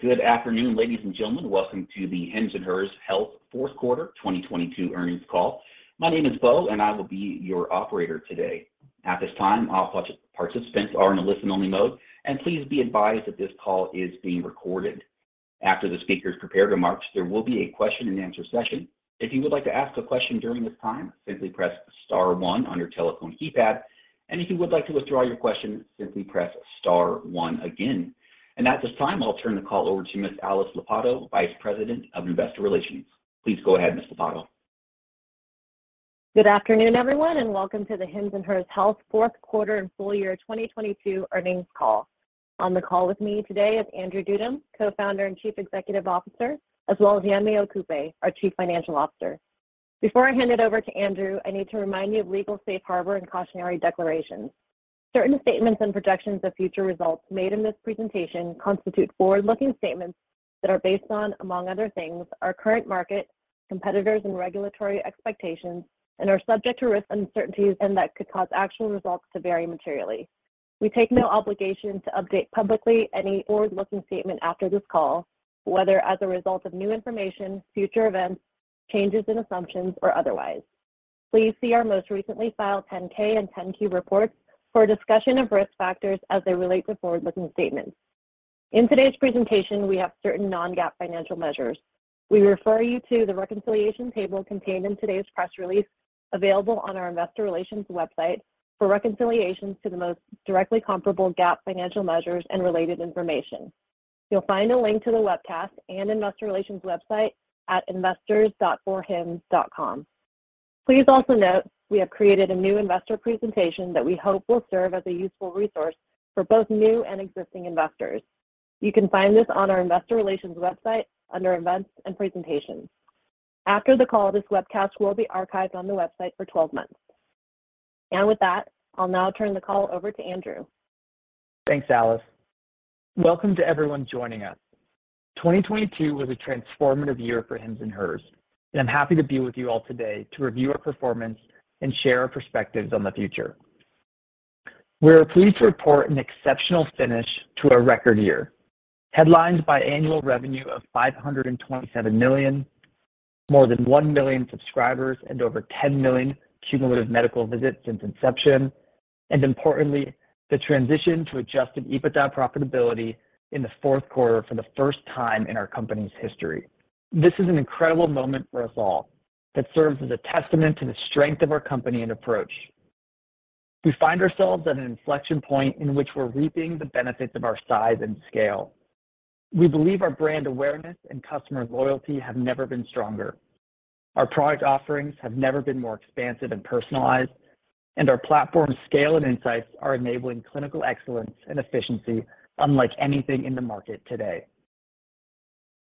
Good afternoon, ladies and gentlemen. Welcome to the Hims & Hers Health fourth quarter 2022 earnings call. My name is Beau. I will be your operator today. At this time, all participants are in a listen-only mode. Please be advised that this call is being recorded. After the speakers prepared remarks, there will be a question-and-answer session. If you would like to ask a question during this time, simply press star one on your telephone keypad. If you would like to withdraw your question, simply press star one again. At this time, I'll turn the call over to Ms. Alice Lopatto, Vice President of Investor Relations. Please go ahead, Ms. Lopatto. Good afternoon, everyone, and welcome to the Hims & Hers Health fourth quarter and full year 2022 earnings call. On the call with me today is Andrew Dudum, Co-founder and Chief Executive Officer, as well as Yemi Okupe, our Chief Financial Officer. Before I hand it over to Andrew, I need to remind you of legal safe harbor and cautionary declarations. Certain statements and projections of future results made in this presentation constitute forward-looking statements that are based on, among other things, our current market, competitors, and regulatory expectations and are subject to risks, uncertainties, and that could cause actual results to vary materially. We take no obligation to update publicly any forward-looking statement after this call, whether as a result of new information, future events, changes in assumptions, or otherwise. Please see our most recently filed 10-K and 10-Q reports for a discussion of risk factors as they relate to forward-looking statements. In today's presentation, we have certain non-GAAP financial measures. We refer you to the reconciliation table contained in today's press release available on our investor relations website for reconciliations to the most directly comparable GAAP financial measures and related information. You'll find a link to the webcast and investor relations website at investors.hims.com. Please also note we have created a new investor presentation that we hope will serve as a useful resource for both new and existing investors. You can find this on our investor relations website under events and presentations. After the call, this webcast will be archived on the website for 12 months. With that, I'll now turn the call over to Andrew. Thanks, Alice. Welcome to everyone joining us. 2022 was a transformative year for Hims & Hers, and I'm happy to be with you all today to review our performance and share our perspectives on the future. We are pleased to report an exceptional finish to a record year, headlined by annual revenue of $527 million, more than 1 million subscribers, and over 10 million cumulative medical visits since inception, and importantly, the transition to Adjusted EBITDA profitability in the fourth quarter for the first time in our company's history. This is an incredible moment for us all that serves as a testament to the strength of our company and approach. We find ourselves at an inflection point in which we're reaping the benefits of our size and scale. We believe our brand awareness and customer loyalty have never been stronger. Our product offerings have never been more expansive and personalized, and our platform scale and insights are enabling clinical excellence and efficiency unlike anything in the market today.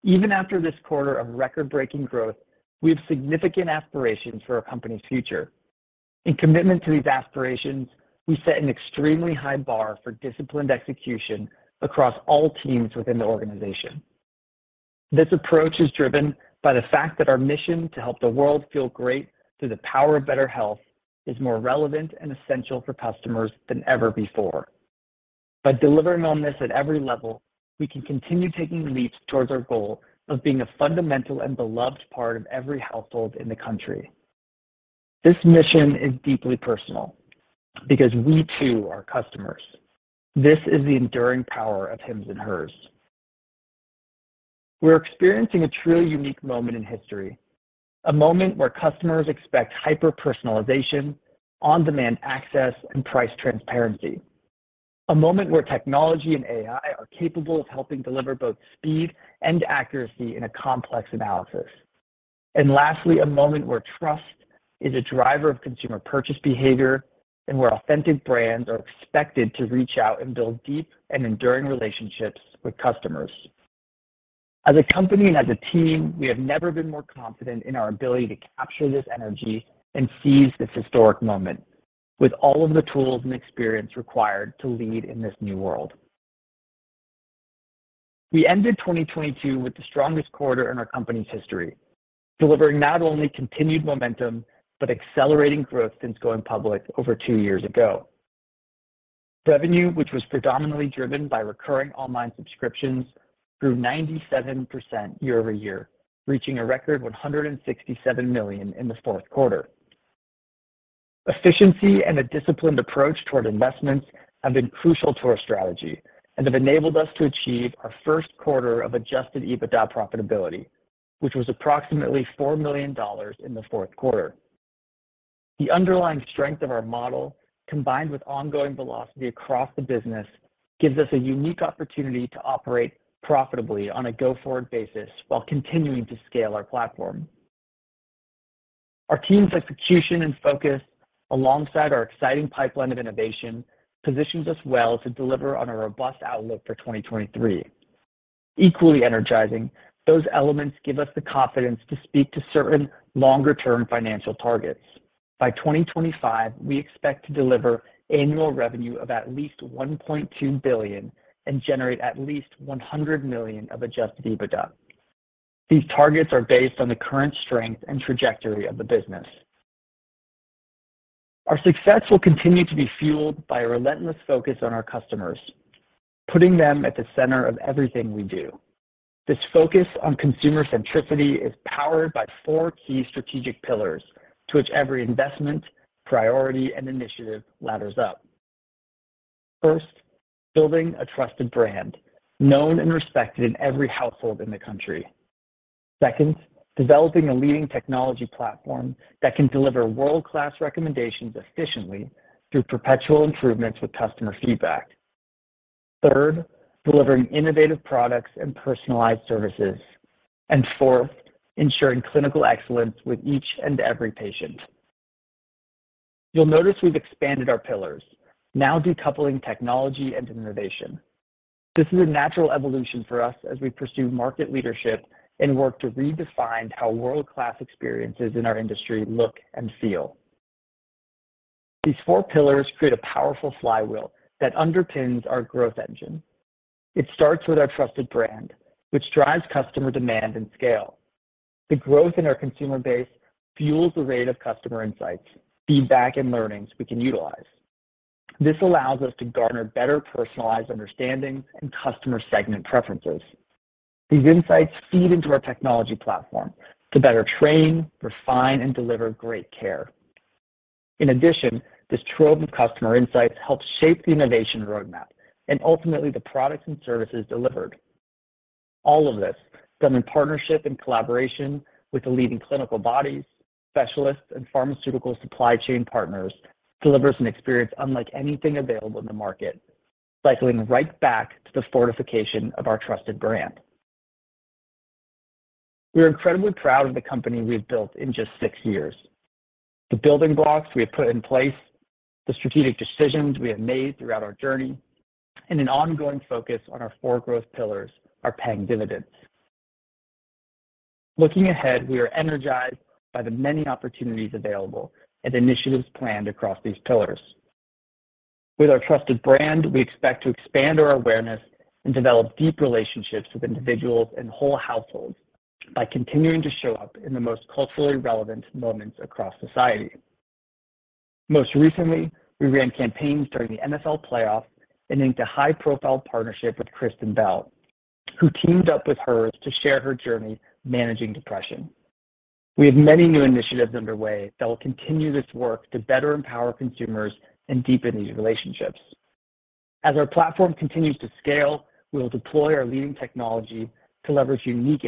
Even after this quarter of record-breaking growth, we have significant aspirations for our company's future. In commitment to these aspirations, we set an extremely high bar for disciplined execution across all teams within the organization. This approach is driven by the fact that our mission to help the world feel great through the power of better health is more relevant and essential for customers than ever before. By delivering on this at every level, we can continue taking leaps towards our goal of being a fundamental and beloved part of every household in the country. This mission is deeply personal because we too are customers. This is the enduring power of Hims & Hers. We're experiencing a truly unique moment in history, a moment where customers expect hyper-personalization, on-demand access, and price transparency. A moment where technology and AI are capable of helping deliver both speed and accuracy in a complex analysis. Lastly, a moment where trust is a driver of consumer purchase behavior and where authentic brands are expected to reach out and build deep and enduring relationships with customers. As a company and as a team, we have never been more confident in our ability to capture this energy and seize this historic moment with all of the tools and experience required to lead in this new world. We ended 2022 with the strongest quarter in our company's history, delivering not only continued momentum, but accelerating growth since going public over two years ago. Revenue, which was predominantly driven by recurring online subscriptions, grew 97% year-over-year, reaching a record $167 million in the fourth quarter. Efficiency and a disciplined approach toward investments have been crucial to our strategy and have enabled us to achieve our first quarter of Adjusted EBITDA profitability, which was approximately $4 million in the fourth quarter. The underlying strength of our model, combined with ongoing velocity across the business, gives us a unique opportunity to operate profitably on a go-forward basis while continuing to scale our platform. Our team's execution and focus, alongside our exciting pipeline of innovation, positions us well to deliver on a robust outlook for 2023. Equally energizing, those elements give us the confidence to speak to certain longer-term financial targets. By 2025, we expect to deliver annual revenue of at least $1.2 billion and generate at least $100 million of Adjusted EBITDA. These targets are based on the current strength and trajectory of the business. Our success will continue to be fueled by a relentless focus on our customers, putting them at the center of everything we do. This focus on consumer centricity is powered by four key strategic pillars to which every investment, priority, and initiative ladders up. First, building a trusted brand known and respected in every household in the country. Second, developing a leading technology platform that can deliver world-class recommendations efficiently through perpetual improvements with customer feedback. Third, delivering innovative products and personalized services. Fourth, ensuring clinical excellence with each and every patient. You'll notice we've expanded our pillars, now decoupling technology and innovation. This is a natural evolution for us as we pursue market leadership and work to redefine how world-class experiences in our industry look and feel. These four pillars create a powerful flywheel that underpins our growth engine. It starts with our trusted brand, which drives customer demand and scale. The growth in our consumer base fuels the rate of customer insights, feedback, and learnings we can utilize. This allows us to garner better personalized understanding and customer segment preferences. These insights feed into our technology platform to better train, refine, and deliver great care. In addition, this trove of customer insights helps shape the innovation roadmap and ultimately the products and services delivered. All of this done in partnership and collaboration with the leading clinical bodies, specialists, and pharmaceutical supply chain partners, delivers an experience unlike anything available in the market, cycling right back to the fortification of our trusted brand. We're incredibly proud of the company we've built in just six years. The building blocks we have put in place, the strategic decisions we have made throughout our journey, and an ongoing focus on our four growth pillars are paying dividends. Looking ahead, we are energized by the many opportunities available and initiatives planned across these pillars. With our trusted brand, we expect to expand our awareness and develop deep relationships with individuals and whole households by continuing to show up in the most culturally relevant moments across society. Most recently, we ran campaigns during the NFL playoffs and inked a high-profile partnership with Kristen Bell, who teamed up with Hers to share her journey managing depression. We have many new initiatives underway that will continue this work to better empower consumers and deepen these relationships. As our platform continues to scale, we will deploy our leading technology to leverage unique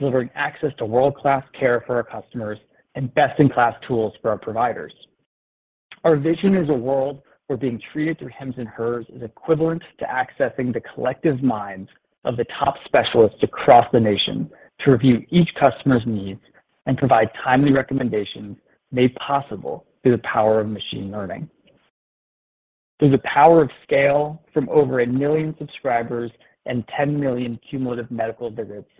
insights, delivering access to world-class care for our customers and best-in-class tools for our providers. Our vision is a world where being treated through Hims & Hers is equivalent to accessing the collective minds of the top specialists across the nation to review each customer's needs and provide timely recommendations made possible through the power of machine learning. Through the power of scale from over 1 million subscribers and 10 million cumulative medical visits,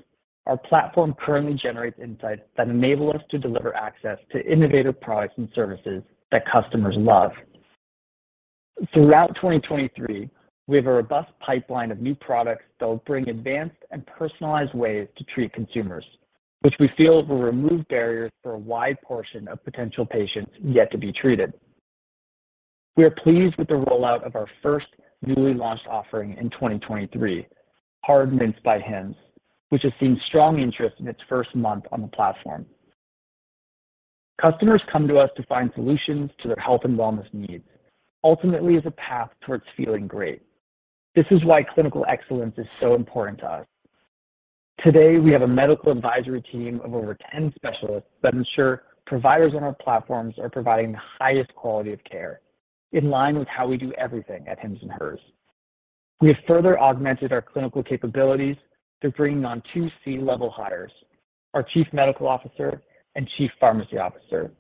our platform currently generates insights that enable us to deliver access to innovative products and services that customers love. Throughout 2023, we have a robust pipeline of new products that will bring advanced and personalized ways to treat consumers, which we feel will remove barriers for a wide portion of potential patients yet to be treated. We are pleased with the rollout of our first newly launched offering in 2023, Hard Mints by Hims, which has seen strong interest in its first month on the platform. Customers come to us to find solutions to their health and wellness needs, ultimately as a path towards feeling great. This is why clinical excellence is so important to us. Today, we have a medical advisory team of over 10 specialists that ensure providers on our platforms are providing the highest quality of care in line with how we do everything at Hims & Hers. We have further augmented our clinical capabilities through bringing on two C-level hires, our Chief Medical Officer and Chief Pharmacy Officer,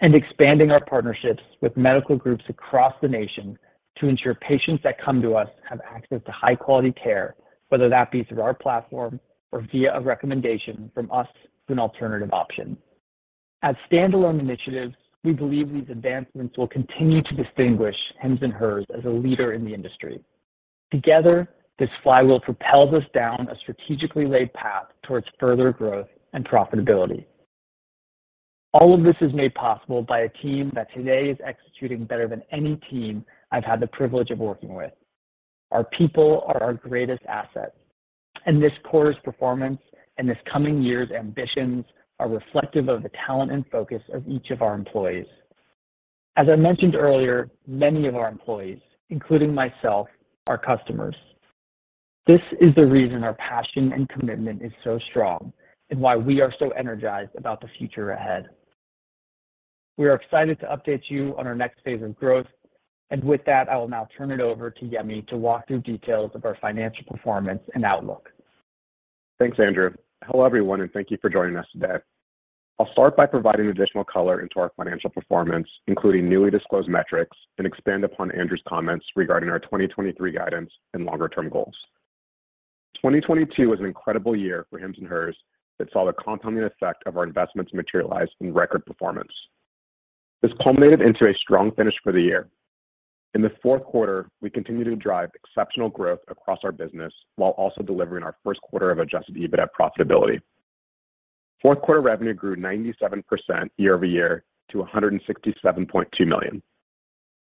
and expanding our partnerships with medical groups across the nation to ensure patients that come to us have access to high-quality care, whether that be through our platform or via a recommendation from us to an alternative option. As standalone initiatives, we believe these advancements will continue to distinguish Hims & Hers as a leader in the industry. Together, this flywheel propels us down a strategically laid path towards further growth and profitability. All of this is made possible by a team that today is executing better than any team I've had the privilege of working with. Our people are our greatest asset, and this quarter's performance and this coming year's ambitions are reflective of the talent and focus of each of our employees. As I mentioned earlier, many of our employees, including myself, are customers. This is the reason our passion and commitment is so strong and why we are so energized about the future ahead. We are excited to update you on our next phase of growth. With that, I will now turn it over to Yemi to walk through details of our financial performance and outlook. Thanks, Andrew. Hello, everyone, and thank you for joining us today. I'll start by providing additional color into our financial performance, including newly disclosed metrics, and expand upon Andrew's comments regarding our 2023 guidance and longer-term goals. 2022 was an incredible year for Hims & Hers that saw the compounding effect of our investments materialize in record performance. This culminated into a strong finish for the year. In the fourth quarter, we continued to drive exceptional growth across our business while also delivering our first quarter of Adjusted EBITDA profitability. Fourth quarter revenue grew 97% year-over-year to $167.2 million.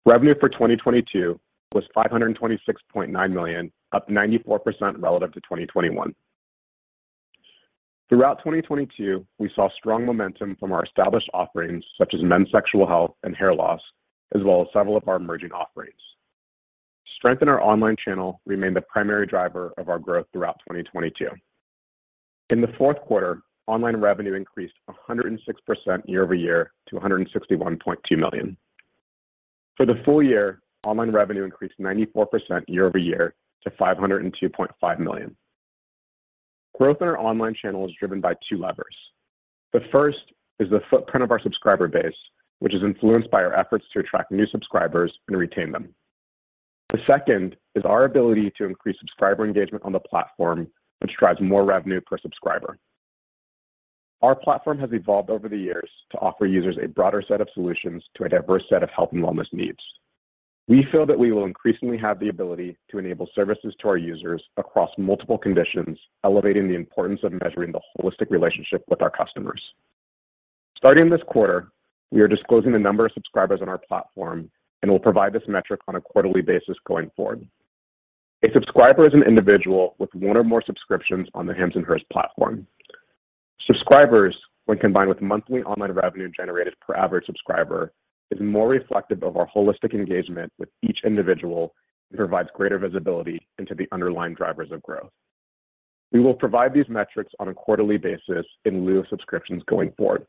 Revenue for 2022 was $526.9 million, up 94% relative to 2021. Throughout 2022, we saw strong momentum from our established offerings such as men's sexual health and hair loss, as well as several of our emerging offerings. Strength in our online channel remained the primary driver of our growth throughout 2022. In the fourth quarter, online revenue increased 106% year-over-year to $161.2 million. For the full year, online revenue increased 94% year-over-year to $502.5 million. Growth in our online channel is driven by two levers. The first is the footprint of our subscriber base, which is influenced by our efforts to attract new subscribers and retain them. The second is our ability to increase subscriber engagement on the platform, which drives more revenue per subscriber. Our platform has evolved over the years to offer users a broader set of solutions to a diverse set of health and wellness needs. We feel that we will increasingly have the ability to enable services to our users across multiple conditions, elevating the importance of measuring the holistic relationship with our customers. Starting this quarter, we are disclosing the number of subscribers on our platform and will provide this metric on a quarterly basis going forward. A subscriber is an individual with one or more subscriptions on the Hims & Hers platform. Subscribers, when combined with monthly online revenue generated per average subscriber, is more reflective of our holistic engagement with each individual and provides greater visibility into the underlying drivers of growth. We will provide these metrics on a quarterly basis in lieu of subscriptions going forward.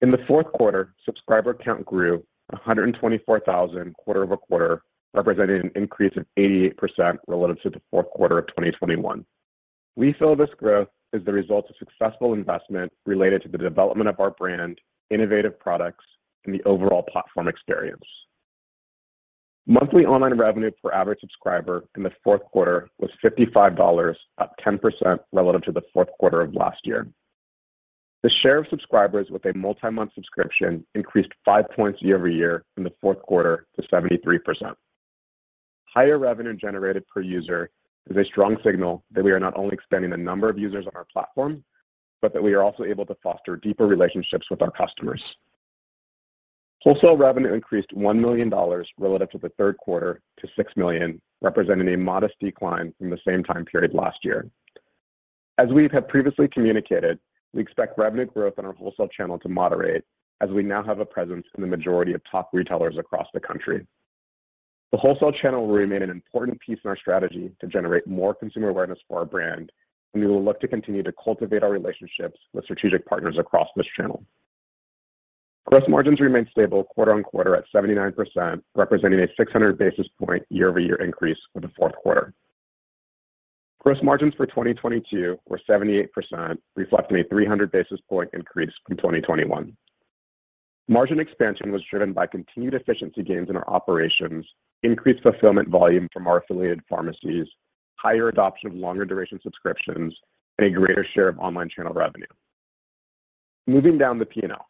In the fourth quarter, subscriber count grew 124,000 quarter-over-quarter, representing an increase of 88% relative to the fourth quarter of 2021. We feel this growth is the result of successful investment related to the development of our brand, innovative products, and the overall platform experience. Monthly online revenue per average subscriber in the fourth quarter was $55, up 10% relative to the fourth quarter of last year. The share of subscribers with a multi-month subscription increased five points year-over-year in the fourth quarter to 73%. Higher revenue generated per user is a strong signal that we are not only expanding the number of users on our platform, but that we are also able to foster deeper relationships with our customers. Wholesale revenue increased $1 million relative to the third quarter to $6 million, representing a modest decline from the same time period last year. We have previously communicated, we expect revenue growth on our wholesale channel to moderate as we now have a presence in the majority of top retailers across the country. The wholesale channel will remain an important piece in our strategy to generate more consumer awareness for our brand, we will look to continue to cultivate our relationships with strategic partners across this channel. Gross margins remained stable quarter-on-quarter at 79%, representing a 600 basis point year-over-year increase for the fourth quarter. Gross margins for 2022 were 78%, reflecting a 300 basis point increase from 2021. Margin expansion was driven by continued efficiency gains in our operations, increased fulfillment volume from our affiliated pharmacies, higher adoption of longer duration subscriptions, and a greater share of online channel revenue. Moving down the P&L.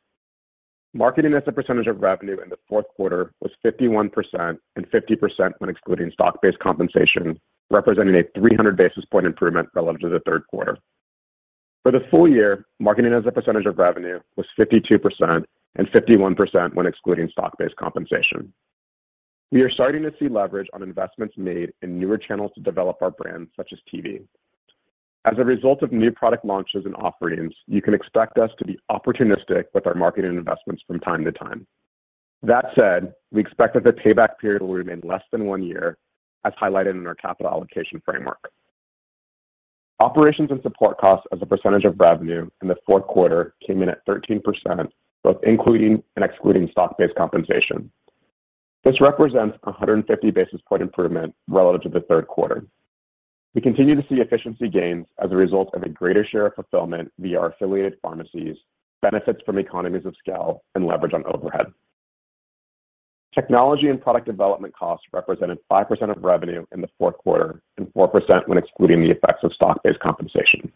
Marketing as a percentage of revenue in the fourth quarter was 51% and 50% when excluding stock-based compensation, representing a 300 basis point improvement relative to the third quarter. For the full year, marketing as a percentage of revenue was 52% and 51% when excluding stock-based compensation. We are starting to see leverage on investments made in newer channels to develop our brand, such as TV. As a result of new product launches and offerings, you can expect us to be opportunistic with our marketing investments from time to time. That said, we expect that the payback period will remain less than one year, as highlighted in our capital allocation framework. Operations and support costs as a percentage of revenue in the fourth quarter came in at 13%, both including and excluding stock-based compensation. This represents a 150 basis point improvement relative to the third quarter. We continue to see efficiency gains as a result of a greater share of fulfillment via our affiliated pharmacies, benefits from economies of scale, and leverage on overhead. Technology and product development costs represented 5% of revenue in the fourth quarter and 4% when excluding the effects of stock-based compensation.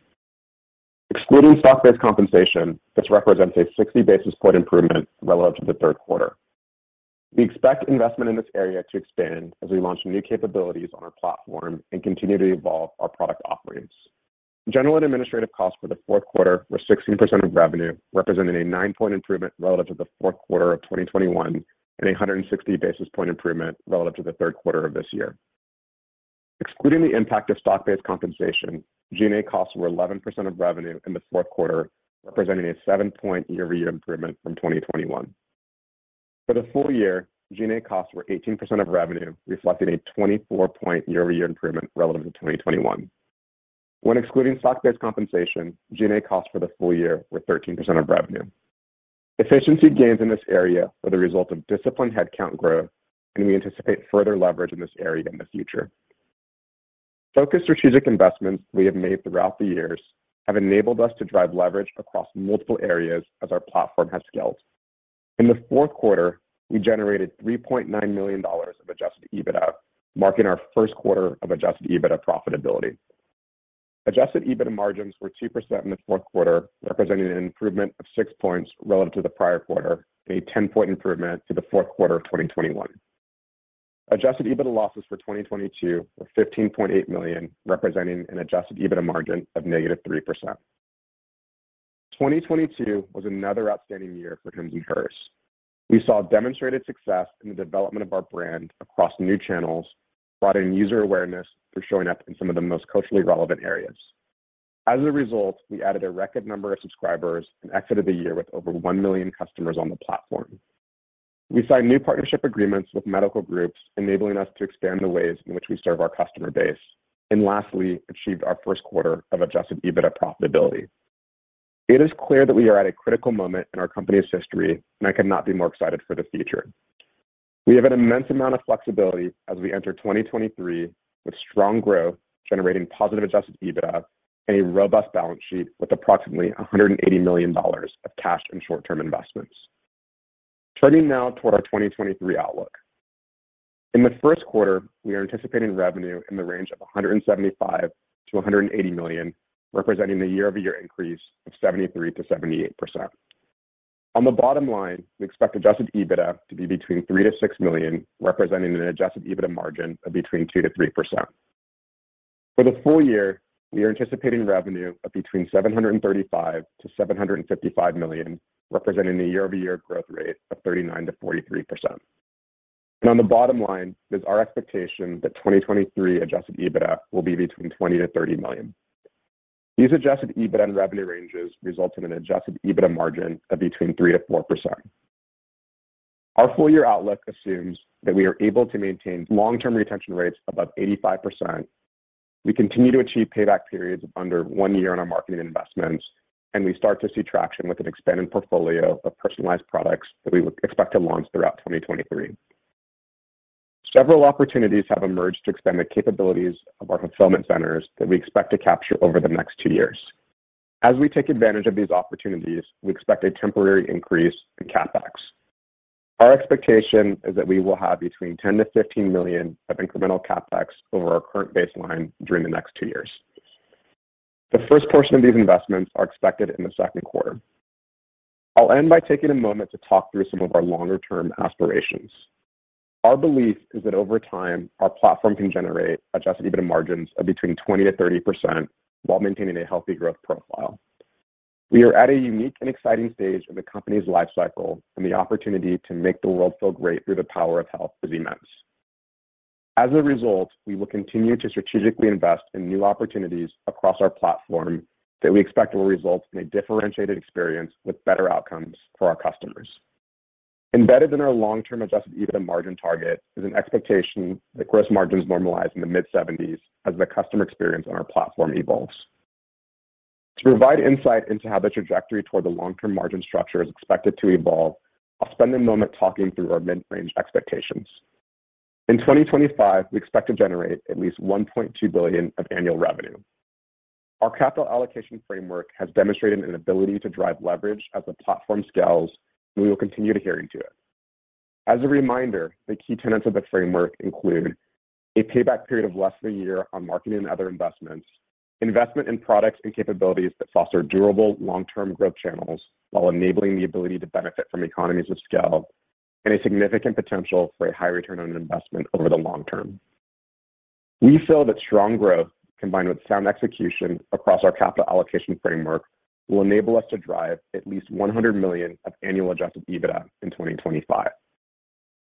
Excluding stock-based compensation, this represents a 60 basis point improvement relative to the third quarter. We expect investment in this area to expand as we launch new capabilities on our platform and continue to evolve our product offerings. General and administrative costs for the fourth quarter were 16% of revenue, representing a nine-point improvement relative to the fourth quarter of 2021 and a 160 basis point improvement relative to the third quarter of this year. Excluding the impact of stock-based compensation, G&A costs were 11% of revenue in the fourth quarter, representing a seven-point year-over-year improvement from 2021. For the full year, G&A costs were 18% of revenue, reflecting a 24-point year-over-year improvement relative to 2021. When excluding stock-based compensation, G&A costs for the full year were 13% of revenue. Efficiency gains in this area were the result of disciplined headcount growth, and we anticipate further leverage in this area in the future. Focused strategic investments we have made throughout the years have enabled us to drive leverage across multiple areas as our platform has scaled. In the fourth quarter, we generated $3.9 million of Adjusted EBITDA, marking our first quarter of Adjusted EBITDA profitability. Adjusted EBITDA margins were 2% in the fourth quarter, representing an improvement of 6 points relative to the prior quarter and a 10-point improvement to the fourth quarter of 2021. Adjusted EBITDA losses for 2022 were $15.8 million, representing an Adjusted EBITDA margin of negative 3%. 2022 was another outstanding year for Hims & Hers. We saw demonstrated success in the development of our brand across new channels, brought in user awareness for showing up in some of the most culturally relevant areas. As a result, we added a record number of subscribers and exited the year with over 1 million customers on the platform. We signed new partnership agreements with medical groups, enabling us to expand the ways in which we serve our customer base, and lastly, achieved our first quarter of Adjusted EBITDA profitability. It is clear that we are at a critical moment in our company's history, and I could not be more excited for the future. We have an immense amount of flexibility as we enter 2023 with strong growth, generating positive Adjusted EBITDA and a robust balance sheet with approximately $180 million of cash and short-term investments. Turning now toward our 2023 outlook. In the first quarter, we are anticipating revenue in the range of $175 million-$180 million, representing a year-over-year increase of 73%-78%. On the bottom line, we expect Adjusted EBITDA to be between $3 million-$6 million, representing an Adjusted EBITDA margin of between 2%-3%. For the full year, we are anticipating revenue of between $735 million-$755 million, representing a year-over-year growth rate of 39%-43%. On the bottom line, it is our expectation that 2023 Adjusted EBITDA will be between $20 million-$30 million. These Adjusted EBITDA and revenue ranges result in an Adjusted EBITDA margin of between 3%-4%. Our full year outlook assumes that we are able to maintain long-term retention rates above 85%. We continue to achieve payback periods of under one year on our marketing investments, and we start to see traction with an expanding portfolio of personalized products that we would expect to launch throughout 2023. Several opportunities have emerged to extend the capabilities of our fulfillment centers that we expect to capture over the next two years. As we take advantage of these opportunities, we expect a temporary increase in CapEx. Our expectation is that we will have between $10 million-$15 million of incremental CapEx over our current baseline during the next two years. The first portion of these investments are expected in the second quarter. I'll end by taking a moment to talk through some of our longer-term aspirations. Our belief is that over time, our platform can generate Adjusted EBITDA margins of between 20%-30% while maintaining a healthy growth profile. We are at a unique and exciting stage in the company's life cycle, and the opportunity to make the world feel great through the power of health is immense. As a result, we will continue to strategically invest in new opportunities across our platform that we expect will result in a differentiated experience with better outcomes for our customers. Embedded in our long-term Adjusted EBITDA margin target is an expectation that gross margins normalize in the mid-70s% as the customer experience on our platform evolves. To provide insight into how the trajectory toward the long-term margin structure is expected to evolve, I'll spend a moment talking through our mid-range expectations. In 2025, we expect to generate at least $1.2 billion of annual revenue. Our capital allocation framework has demonstrated an ability to drive leverage as the platform scales, and we will continue to adhere to it. As a reminder, the key tenets of the framework include a payback period of less than a year on marketing and other investments, investment in products and capabilities that foster durable long-term growth channels while enabling the ability to benefit from economies of scale, and a significant potential for a high return on investment over the long term. We feel that strong growth, combined with sound execution across our capital allocation framework, will enable us to drive at least $100 million of annual Adjusted EBITDA in 2025.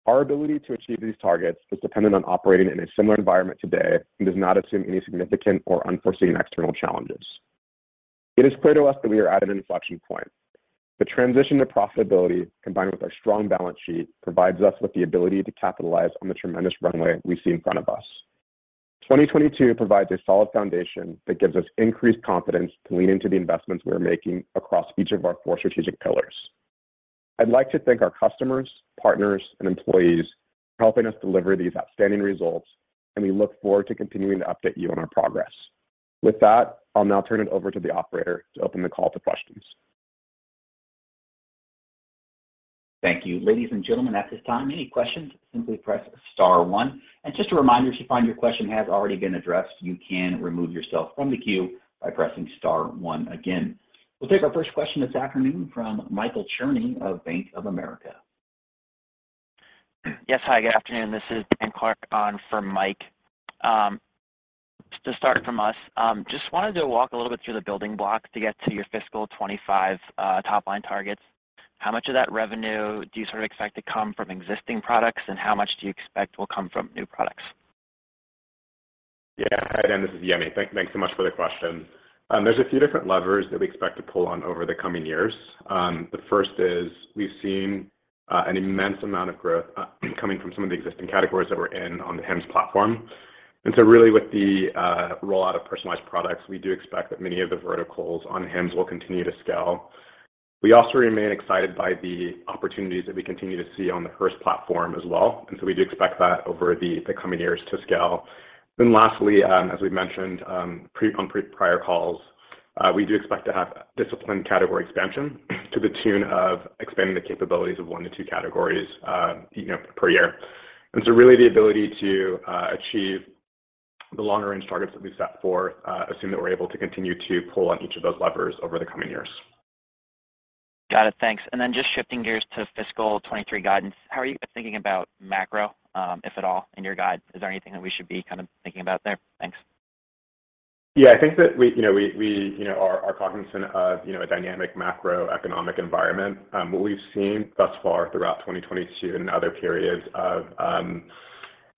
Our ability to achieve these targets is dependent on operating in a similar environment today and does not assume any significant or unforeseen external challenges. It is clear to us that we are at an inflection point. The transition to profitability, combined with our strong balance sheet, provides us with the ability to capitalize on the tremendous runway we see in front of us. 2022 provides a solid foundation that gives us increased confidence to lean into the investments we are making across each of our four strategic pillars. I'd like to thank our customers, partners, and employees for helping us deliver these outstanding results, and we look forward to continuing to update you on our progress. With that, I'll now turn it over to the operator to open the call to questions. Thank you. Ladies and gentlemen, at this time, any questions, simply press star one. Just a reminder, if you find your question has already been addressed, you can remove yourself from the queue by pressing star one again. We'll take our first question this afternoon from Michael Cherny of Bank of America. Yes. Hi, good afternoon. This is Daniel Clark on for Mike. To start from us, just wanted to walk a little bit through the building blocks to get to your fiscal 25 top-line targets. How much of that revenue do you sort of expect to come from existing products, and how much do you expect will come from new products? Yeah. Hi, Dan, this is Yemi. Thanks so much for the question. There's a few different levers that we expect to pull on over the coming years. The first is we've seen an immense amount of growth coming from some of the existing categories that we're in on the Hims platform. Really with the rollout of personalized products, we do expect that many of the verticals on Hims will continue to scale. We also remain excited by the opportunities that we continue to see on the Hers platform as well. We do expect that over the coming years to scale. Lastly, as we've mentioned on prior calls, we do expect to have disciplined category expansion to the tune of expanding the capabilities of one to two categories, you know, per year. Really the ability to achieve the longer-range targets that we've set forth assume that we're able to continue to pull on each of those levers over the coming years. Got it. Thanks. Just shifting gears to fiscal 2023 guidance, how are you guys thinking about macro, if at all, in your guide? Is there anything that we should be kind of thinking about there? Thanks. Yeah. I think that we, you know, we, you know, are cognizant of, you know, a dynamic macroeconomic environment. What we've seen thus far throughout 2022 and other periods of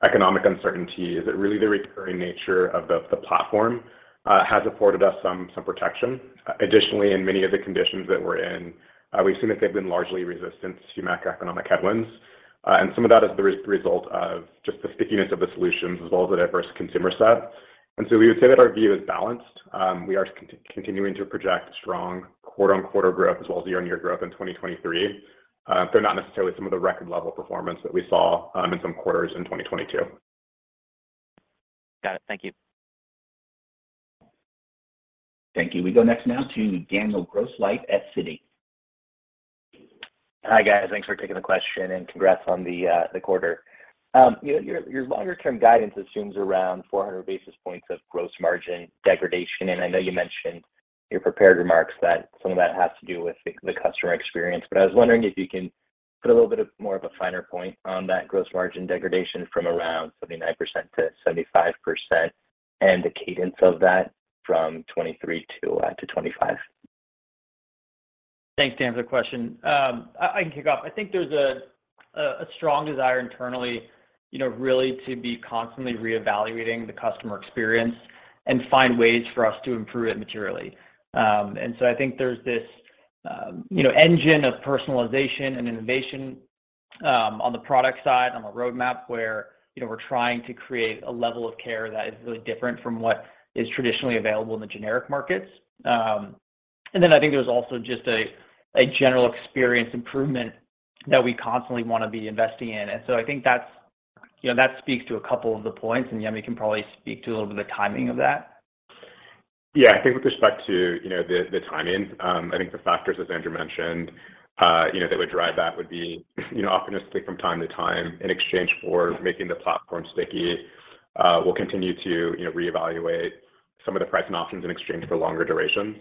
economic uncertainty is that really the recurring nature of the platform has afforded us some protection. Additionally, in many of the conditions that we're in, we've seen that they've been largely resistant to macroeconomic headwinds. Some of that is the result of just the stickiness of the solutions as well as a diverse consumer set. We would say that our view is balanced. We are continuing to project strong quarter-on-quarter growth as well as year-on-year growth in 2023. Though not necessarily some of the record level performance that we saw in some quarters in 2022. Got it. Thank you. Thank you. We go next now to Daniel Grosslight at Citi. Hi, guys. Thanks for taking the question, and congrats on the quarter. you know, your longer term guidance assumes around 400 basis points of gross margin degradation. I know you mentioned in your prepared remarks that some of that has to do with the customer experience, but I was wondering if you can put a little bit of more of a finer point on that gross margin degradation from around 79%-75%, and the cadence of that from 2023-2025. Thanks, Dan, for the question. I can kick off. I think there's a strong desire internally, you know, really to be constantly reevaluating the customer experience and find ways for us to improve it materially. I think there's this, you know, engine of personalization and innovation, on the product side, on the roadmap where, you know, we're trying to create a level of care that is really different from what is traditionally available in the generic markets. Then I think there's also just a general experience improvement that we constantly wanna be investing in. I think that's, you know, that speaks to a couple of the points, and Yemi can probably speak to a little bit of the timing of that. Yeah. I think with respect to, you know, the timing, I think the factors, as Andrew mentioned, you know, that would drive that would be, you know, opportunistically from time to time in exchange for making the platform sticky, we'll continue to, you know, reevaluate some of the pricing options in exchange for longer durations.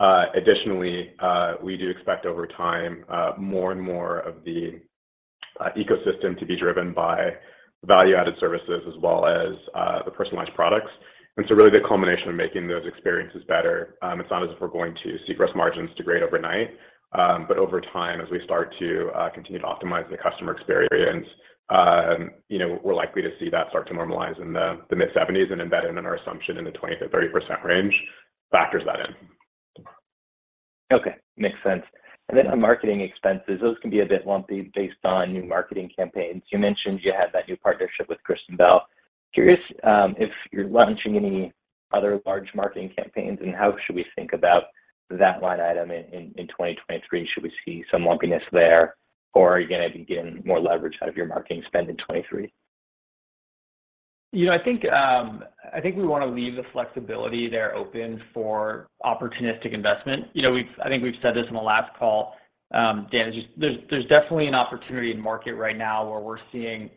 Additionally, we do expect over time, more and more of the ecosystem to be driven by value-added services as well as the personalized products. Really the culmination of making those experiences better, it's not as if we're going to see gross margins degrade overnight. Over time, as we start to continue to optimize the customer experience, you know, we're likely to see that start to normalize in the mid-70s and embedded in our assumption in the 20%-30% range factors that in. Okay. Makes sense. Then on marketing expenses, those can be a bit lumpy based on new marketing campaigns. You mentioned you had that new partnership with Kristen Bell. Curious, if you're launching any other large marketing campaigns, and how should we think about that line item in 2023? Should we see some lumpiness there, or are you gonna be getting more leverage out of your marketing spend in 2023? You know, I think, I think we wanna leave the flexibility there open for opportunistic investment. You know, I think we've said this on the last call, Dan. Just there's definitely an opportunity in market right now where we're seeing,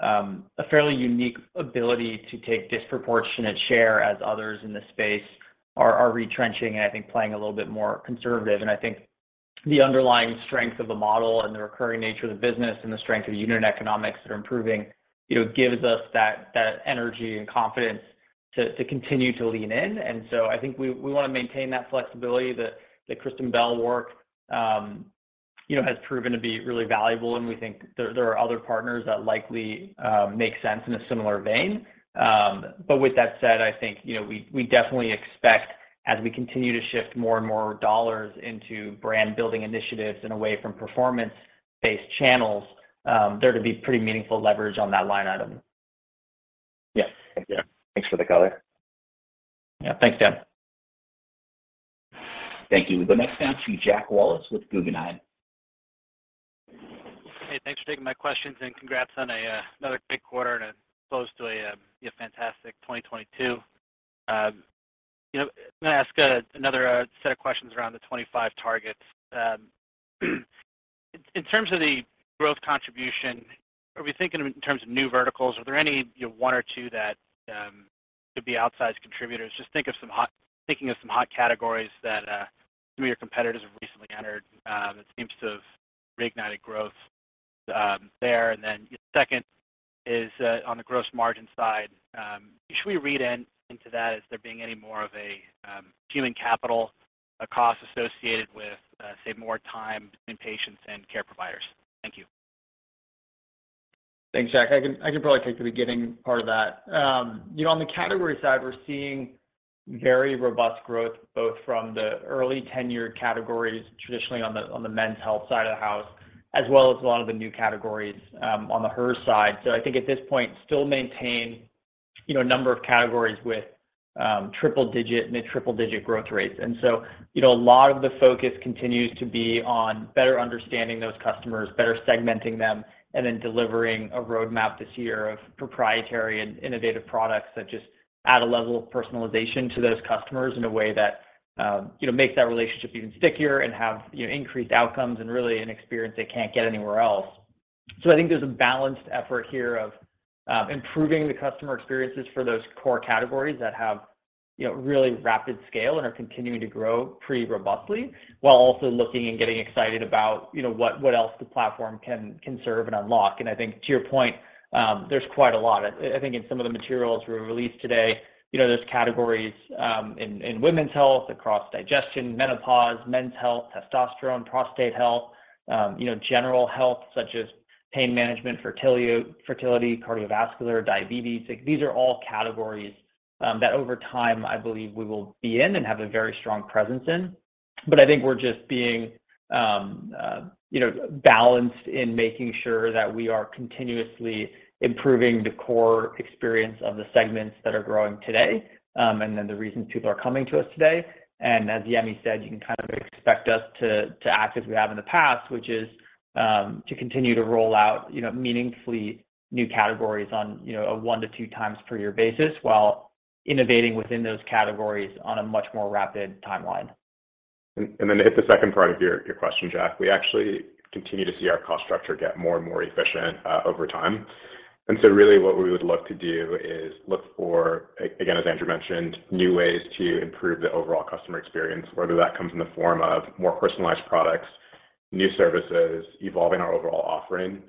a fairly unique ability to take disproportionate share as others in this space are retrenching and, I think, playing a little bit more conservative. I think the underlying strength of the model and the recurring nature of the business and the strength of the unit economics that are improving, you know, gives us that energy and confidence to continue to lean in. I think we wanna maintain that flexibility. The Kristen Bell work, you know, has proven to be really valuable. We think there are other partners that likely make sense in a similar vein. With that said, I think, you know, we definitely expect as we continue to shift more and more dollars into brand-building initiatives and away from performance-based channels, there to be pretty meaningful leverage on that line item. Yeah. Thank you. Thanks for the color. Yeah. Thanks, Dan. Thank you. We go next now to Jack Wallace with Guggenheim. Hey, thanks for taking my questions, and congrats on a another great quarter and close to a fantastic 2022. You know, I'm gonna ask another set of questions around the 25 targets. In terms of the growth contribution, are we thinking in terms of new verticals? Are there any, you know, one or two that could be outsized contributors? Thinking of some hot categories that some of your competitors have recently entered, that seems to have reignited growth there. And then second is on the gross margin side, should we read into that as there being any more of a human capital cost associated with say more time between patients and care providers? Thank you. Thanks, Jack. I can probably take the beginning part of that. You know, on the category side, we're seeing very robust growth both from the early 10-year categories traditionally on the, on the men's health side of the house, as well as a lot of the new categories, on the Hers side. I think at this point, still maintain, you know, a number of categories with, triple digit, mid-triple digit growth rates. You know, a lot of the focus continues to be on better understanding those customers, better segmenting them, and then delivering a roadmap this year of proprietary and innovative products that just add a level of personalization to those customers in a way that, you know, makes that relationship even stickier and have, you know, increased outcomes and really an experience they can't get anywhere else. So I think there's a balanced effort here of improving the customer experiences for those core categories that have, you know, really rapid scale and are continuing to grow pretty robustly, while also looking and getting excited about, you know, what else the platform can serve and unlock. I think to your point, there's quite a lot. I think in some of the materials we released today, you know, there's categories in women's health across digestion, menopause, men's health, testosterone, prostate health, you know, general health such as pain management, fertility, cardiovascular, diabetes. Like, these are all categories that over time I believe we will be in and have a very strong presence in. I think we're just being, you know, balanced in making sure that we are continuously improving the core experience of the segments that are growing today, and then the reasons people are coming to us today. As Yemi said, you can kind of expect us to act as we have in the past, which is to continue to roll out, you know, meaningfully new categories on, you know, a one-2x per year basis while innovating within those categories on a much more rapid timeline. Then to hit the second part of your question, Jack, we actually continue to see our cost structure get more and more efficient over time. Really what we would look to do is look for, again, as Andrew mentioned, new ways to improve the overall customer experience, whether that comes in the form of more personalized products, new services, evolving our overall offering.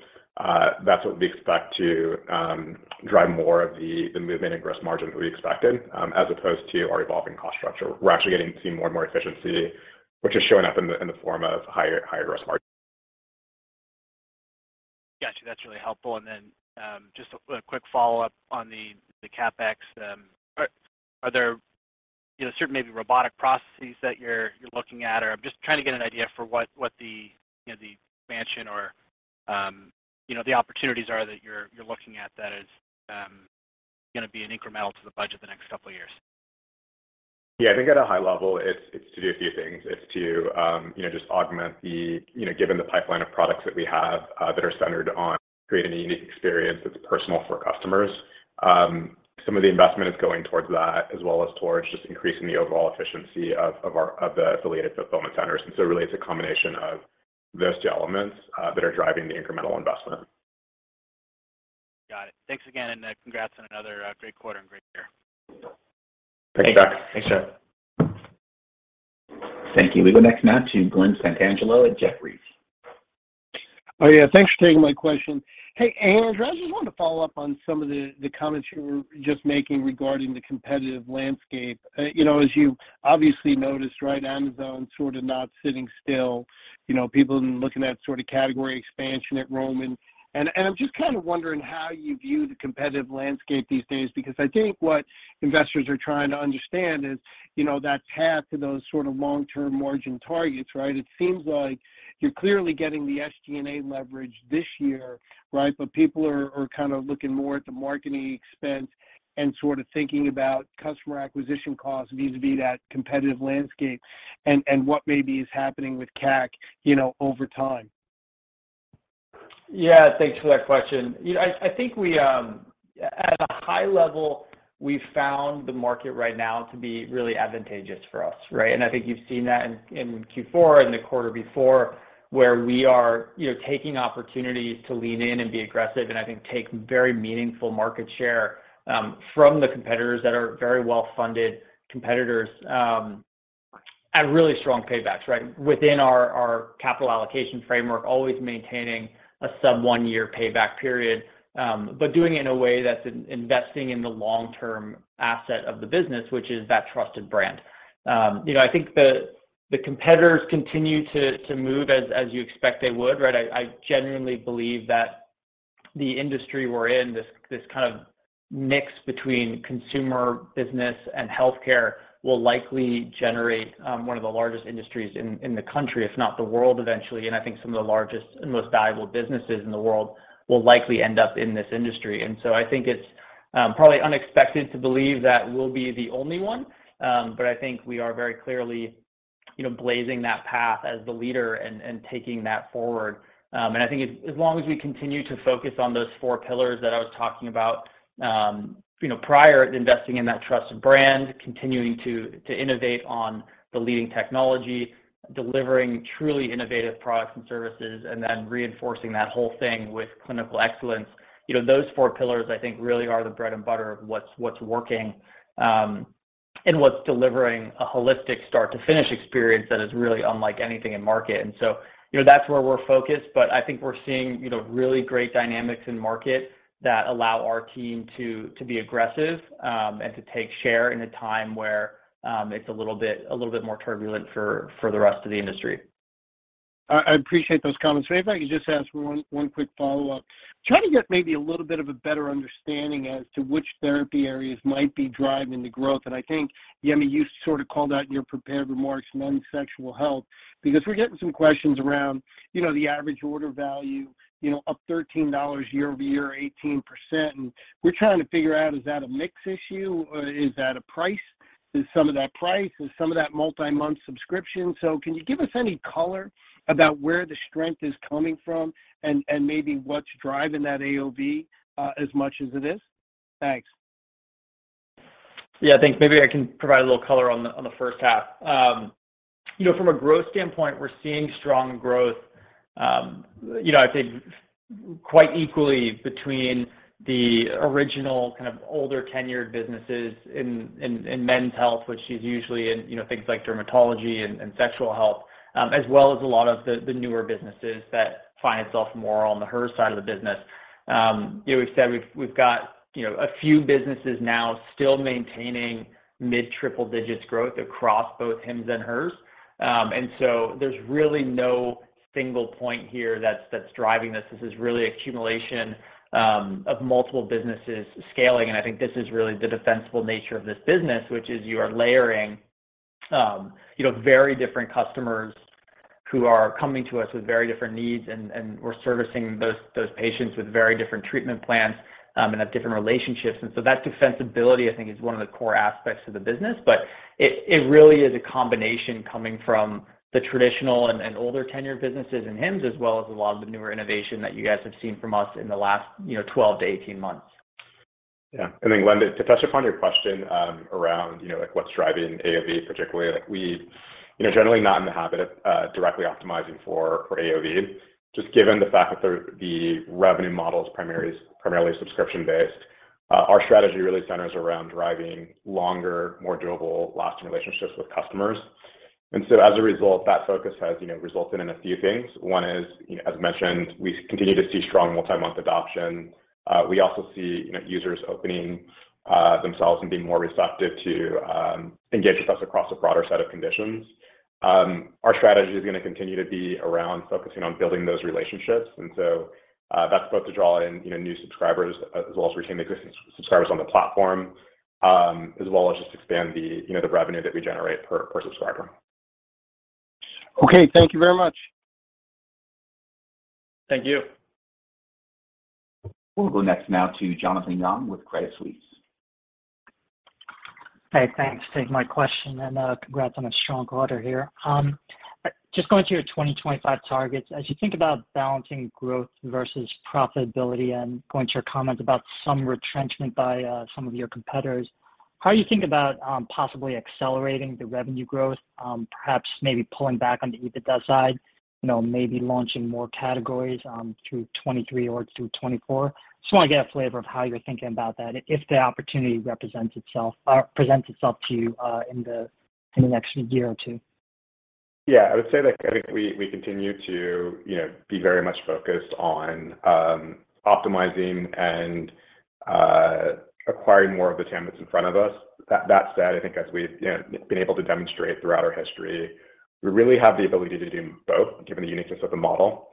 That's what we expect to drive more of the movement in gross margin than we expected as opposed to our evolving cost structure. We're actually getting to see more and more efficiency, which is showing up in the form of higher gross margin. Got you. That's really helpful. Then, just a quick follow-up on the CapEx. Are there, you know, certain maybe robotic processes that you're looking at? Or I'm just trying to get an idea for what the, you know, the expansion or, you know, the opportunities are that you're looking at that is gonna be an incremental to the budget the next couple of years. Yeah. I think at a high level, it's to do a few things. It's to, you know, just. You know, given the pipeline of products that we have, that are centered on creating a unique experience that's personal for customers. Some of the investment is going towards that as well as towards just increasing the overall efficiency of our affiliated fulfillment centers. Really it's a combination of those two elements that are driving the incremental investment. Got it. Thanks again, and, congrats on another, great quarter and great year. Thanks, Jack. Thanks, Jack. Thank you. We go next now to Glen Santangelo at Jefferies. Oh, yeah. Thanks for taking my question. Hey, Andrew, I just wanted to follow up on some of the comments you were just making regarding the competitive landscape. You know, as you obviously noticed, right, Amazon sort of not sitting still. You know, people looking at sort of category expansion at Roman. I'm just kind of wondering how you view the competitive landscape these days, because I think what investors are trying to understand is, you know, that path to those sort of long-term margin targets, right? It seems like you're clearly getting the SG&A leverage this year, right? People are kind of looking more at the marketing expense and sort of thinking about customer acquisition costs vis-a-vis that competitive landscape and what maybe is happening with CAC, you know, over time. Yeah. Thanks for that question. You know, I think we at a high level, we've found the market right now to be really advantageous for us, right? I think you've seen that in Q4 and the quarter before, where we are, you know, taking opportunities to lean in and be aggressive and I think take very meaningful market share from the competitors that are very well-funded competitors at really strong paybacks, right? Within our capital allocation framework, always maintaining a sub one year payback period, but doing it in a way that's investing in the long-term asset of the business, which is that trusted brand. You know, I think the competitors continue to move as you expect they would, right? I genuinely believe that the industry we're in, this kind of mix between consumer business and healthcare will likely generate one of the largest industries in the country, if not the world eventually. I think some of the largest and most valuable businesses in the world will likely end up in this industry. I think it's probably unexpected to believe that we'll be the only one. I think we are very clearly, you know, blazing that path as the leader and taking that forward. I think as long as we continue to focus on those four pillars that I was talking about, you know, prior, investing in that trusted brand, continuing to innovate on the leading technology, delivering truly innovative products and services, and then reinforcing that whole thing with clinical excellence. You know, those four pillars I think really are the bread and butter of what's working and what's delivering a holistic start to finish experience that is really unlike anything in market. You know, that's where we're focused, but I think we're seeing, you know, really great dynamics in market that allow our team to be aggressive and to take share in a time where it's a little bit more turbulent for the rest of the industry. I appreciate those comments. If I could just ask one quick follow-up. Trying to get maybe a little bit of a better understanding as to which therapy areas might be driving the growth. I think, Yemi, you sort of called out in your prepared remarks men's sexual health, because we're getting some questions around, you know, the average order value, you know, up $13 year-over-year, 18%. We're trying to figure out is that a mix issue or is that a price? Is some of that price? Is some of that multi-month subscription? Can you give us any color about where the strength is coming from and maybe what's driving that AOV as much as it is? Thanks. Yeah, I think maybe I can provide a little color on the first half. you know, from a growth standpoint, we're seeing strong growth, you know, I'd say quite equally between the original kind of older tenured businesses in men's health, which is usually in, you know, things like dermatology and sexual health, as well as a lot of the newer businesses that find itself more on the Hers side of the business. you know, we've said we've got, you know, a few businesses now still maintaining mid triple-digits growth across both Hims and Hers. There's really no single point here that's driving this. This is really accumulation of multiple businesses scaling. I think this is really the defensible nature of this business, which is you are layering, you know, very different customers who are coming to us with very different needs and we're servicing those patients with very different treatment plans and have different relationships. That defensibility I think is one of the core aspects of the business. It really is a combination coming from the traditional and older tenured businesses in Hims as well as a lot of the newer innovation that you guys have seen from us in the last, you know, 12-18 months. Yeah. Glen, to touch upon your question, around, you know, like what's driving AOV particularly, like we, you know, generally not in the habit of directly optimizing for AOV. Just given the fact that the revenue model is primarily subscription-based, our strategy really centers around driving longer, more durable lasting relationships with customers. As a result, that focus has, you know, resulted in a few things. One is, you know, as mentioned, we continue to see strong multi-month adoption. We also see, you know, users opening themselves and being more receptive to engage with us across a broader set of conditions. Our strategy is gonna continue to be around focusing on building those relationships. That's both to draw in, you know, new subscribers as well as retain existing subscribers on the platform, as well as just expand the, you know, the revenue that we generate per subscriber. Okay. Thank you very much. Thank you. We'll go next now to Jonathan Yong with Credit Suisse. Hey, thanks. Taking my question and congrats on a strong quarter here. Just going to your 2025 targets, as you think about balancing growth versus profitability and going to your comments about some retrenchment by some of your competitors, how are you thinking about possibly accelerating the revenue growth, perhaps maybe pulling back on the EBITDA side, you know, maybe launching more categories through 2023 or through 2024? Just wanna get a flavor of how you're thinking about that if the opportunity represents itself or presents itself to you in the next year or two. Yeah. I would say, like, I think we continue to, you know, be very much focused on optimizing and acquiring more of the TAM that's in front of us. That said, I think as we've, you know, been able to demonstrate throughout our history, we really have the ability to do both, given the uniqueness of the model.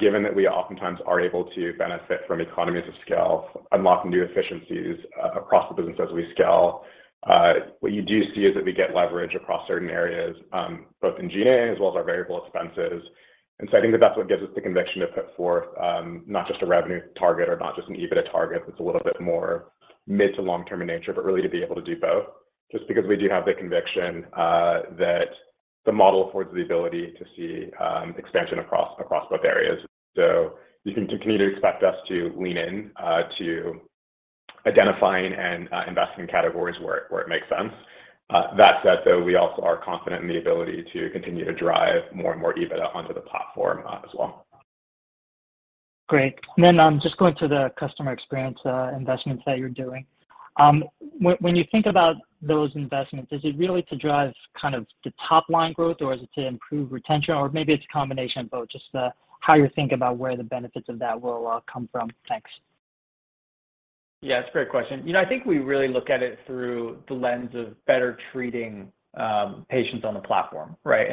Given that we oftentimes are able to benefit from economies of scale, unlocking new efficiencies across the business as we scale, what you do see is that we get leverage across certain areas, both in G&A as well as our variable expenses. I think that that's what gives us the conviction to put forth, not just a revenue target or not just an EBITDA target that's a little bit more mid to long term in nature, but really to be able to do both, just because we do have the conviction that the model affords the ability to see expansion across both areas. You can continue to expect us to lean in to identifying and investing in categories where it makes sense. That said, though, we also are confident in the ability to continue to drive more and more EBITDA onto the platform as well. Great. Just going to the customer experience investments that you're doing. When you think about those investments, is it really to drive kind of the top line growth or is it to improve retention or maybe it's a combination of both? Just how you think about where the benefits of that will come from. Thanks. Yeah. It's a great question. You know, I think we really look at it through the lens of better treating patients on the platform, right?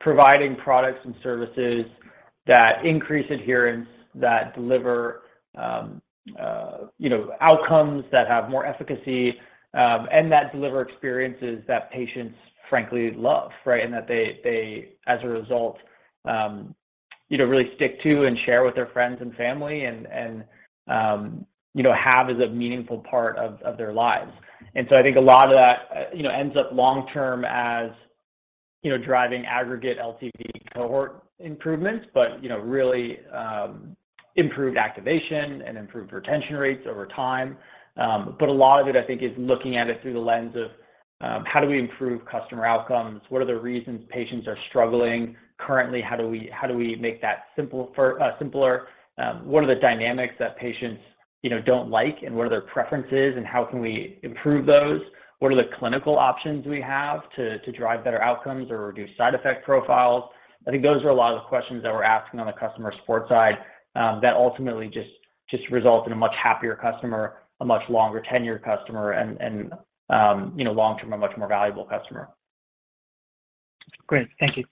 providing products and services that increase adherence, that deliver, you know, outcomes that have more efficacy, and that deliver experiences that patients frankly love, right? that they as a result, you know, really stick to and share with their friends and family and, you know, have as a meaningful part of their lives. I think a lot of that, you know, ends up long term as, you know, driving aggregate LTV cohort improvements, but, you know, really improved activation and improved retention rates over time. A lot of it I think is looking at it through the lens of how do we improve customer outcomes? What are the reasons patients are struggling currently? How do we make that simpler? What are the dynamics that patients, you know, don't like and what are their preferences, and how can we improve those? What are the clinical options we have to drive better outcomes or reduce side effect profiles? I think those are a lot of the questions that we're asking on the customer support side, that ultimately just result in a much happier customer, a much longer tenured customer, and, you know, long term, a much more valuable customer. Great. Thank you.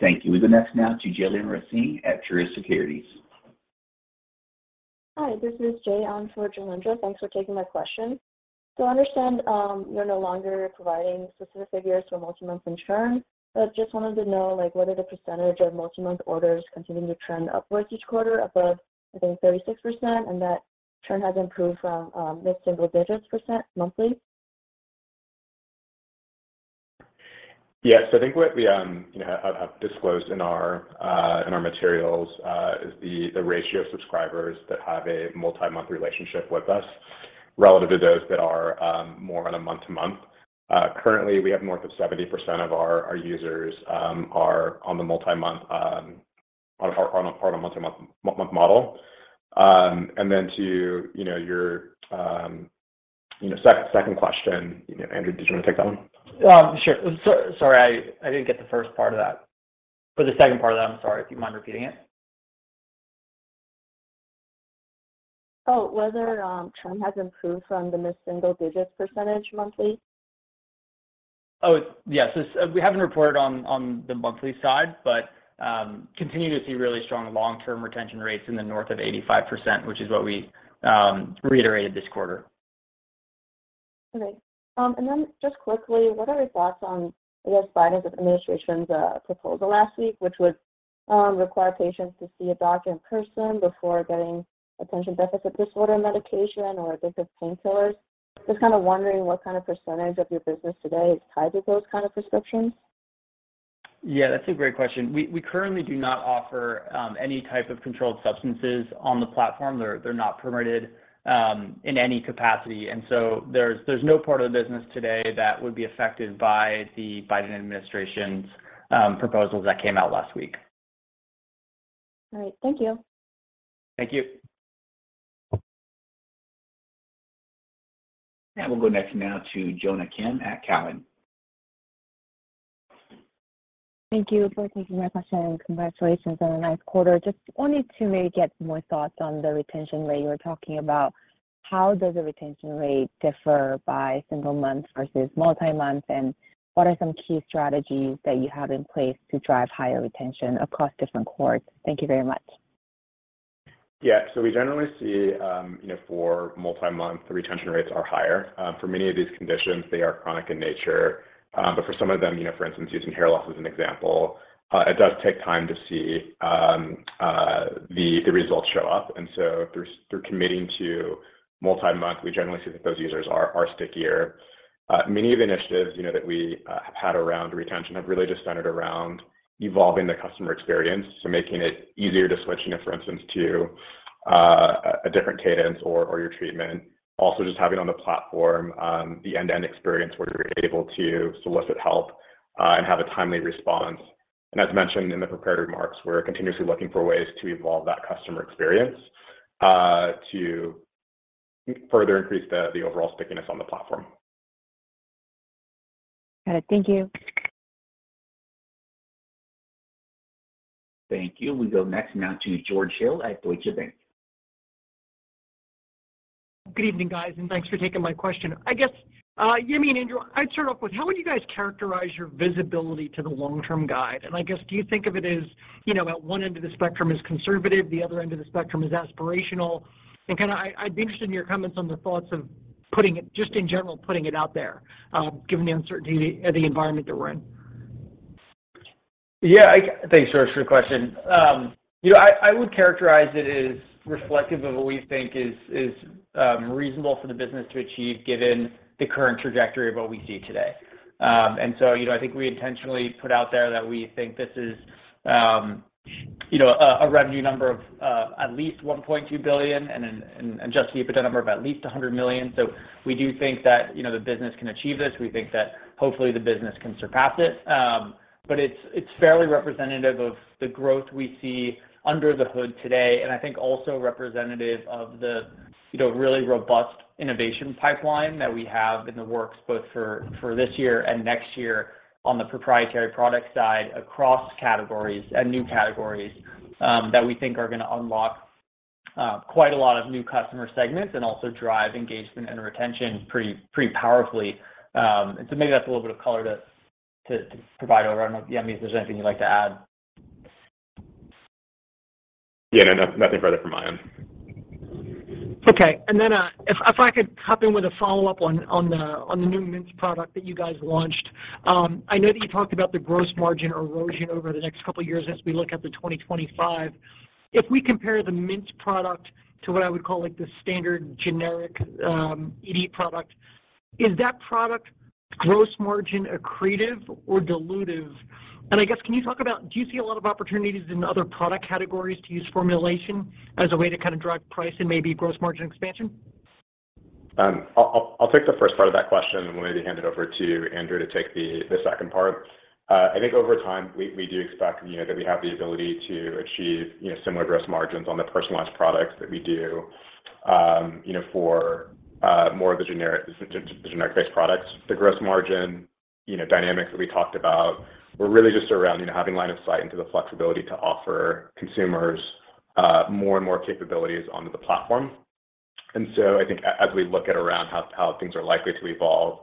Thank you. We'll go next now to Jailendra at Truist Securities. Hi, this is Jay on for Jailendra. Thanks for taking my question. I understand you're no longer providing specific figures for multi-month in churn. I just wanted to know, like, whether the percentage of multi-month orders continue to trend upwards each quarter above, I think, 36%, and that churn has improved from mid-single digits percent monthly. Yes, I think what we, you know, have disclosed in our materials, is the ratio of subscribers that have a multi-month relationship with us relative to those that are more on a month-to-month. Currently we have north of 70% of our users, are on the multi-month, on a month-to-month model. To, you know, your, you know, second question, you know, Andrew, did you want to take that one? Sure. Sorry, I didn't get the first part of that. The second part of that, I'm sorry, do you mind repeating it? Whether trend has improved from the mid-single digits percentage monthly. Oh, yes. We haven't reported on the monthly side, continue to see really strong long-term retention rates in the north of 85%, which is what we reiterated this quarter. Just quickly, what are your thoughts on, I guess, Biden administration's proposal last week, which would require patients to see a doctor in person before getting attention deficit disorder medication or addictive painkillers? Just kind of wondering what kind of percentage of your business today is tied to those kind of prescriptions? Yeah, that's a great question. We currently do not offer any type of controlled substances on the platform. They're not permitted in any capacity. There's no part of the business today that would be affected by the Biden administration's proposals that came out last week. All right. Thank you. Thank you. We'll go next now to Jonna Kim at Cowen. Thank you for taking my question. Congratulations on a nice quarter. Just wanted to maybe get more thoughts on the retention rate you were talking about. How does the retention rate differ by single month versus multi-month? What are some key strategies that you have in place to drive higher retention across different cohorts? Thank you very much. Yeah. We generally see, you know, for multi-month, the retention rates are higher. For many of these conditions, they are chronic in nature. For some of them, you know, for instance, using hair loss as an example, it does take time to see the results show up. Through committing to multi-month, we generally see that those users are stickier. Many of the initiatives, you know, that we had around retention have really just centered around evolving the customer experience, so making it easier to switch, you know, for instance, to a different cadence or your treatment. Just having on the platform, the end-to-end experience where you're able to solicit help and have a timely response. As mentioned in the prepared remarks, we're continuously looking for ways to evolve that customer experience, to further increase the overall stickiness on the platform. Got it. Thank you. Thank you. We go next now to George Hill at Deutsche Bank. Good evening, guys, and thanks for taking my question. I guess, Yemi and Andrew, I'd start off with how would you guys characterize your visibility to the long-term guide? I guess, do you think of it as, you know, at one end of the spectrum is conservative, the other end of the spectrum is aspirational? I'd be interested in your comments on the thoughts of just in general, putting it out there, given the uncertainty of the environment that we're in. Yeah. Thanks, George, for the question. you know, I would characterize it as reflective of what we think is reasonable for the business to achieve given the current trajectory of what we see today. you know, I think we intentionally put out there that we think this is, you know, a revenue number of at least $1.2 billion and an Adjusted EBITDA number of at least $100 million. We do think that, you know, the business can achieve this. We think that hopefully the business can surpass it. It's, it's fairly representative of the growth we see under the hood today. I think also representative of the, you know, really robust innovation pipeline that we have in the works both for this year and next year on the proprietary product side across categories and new categories, that we think are gonna unlock quite a lot of new customer segments and also drive engagement and retention pretty powerfully. So maybe that's a little bit of color to provide over. I don't know if, Yemi, if there's anything you'd like to add. Yeah. No, nothing further from my end. Okay. Then, if I could hop in with a follow-up on the new Mints product that you guys launched. I know that you talked about the gross margin erosion over the next couple of years as we look at the 2025. If we compare the Mints product to what I would call like the standard generic, ED product, is that product gross margin accretive or dilutive? I guess, can you talk about do you see a lot of opportunities in other product categories to use formulation as a way to kind of drive price and maybe gross margin expansion? I'll take the first part of that question and maybe hand it over to Andrew to take the second part. I think over time, we do expect, you know, that we have the ability to achieve, you know, similar gross margins on the personalized products that we do, you know, for more of the generic-based products. The gross margin, you know, dynamics that we talked about were really just around, you know, having line of sight into the flexibility to offer consumers, more and more capabilities onto the platform. I think as we look at around how things are likely to evolve,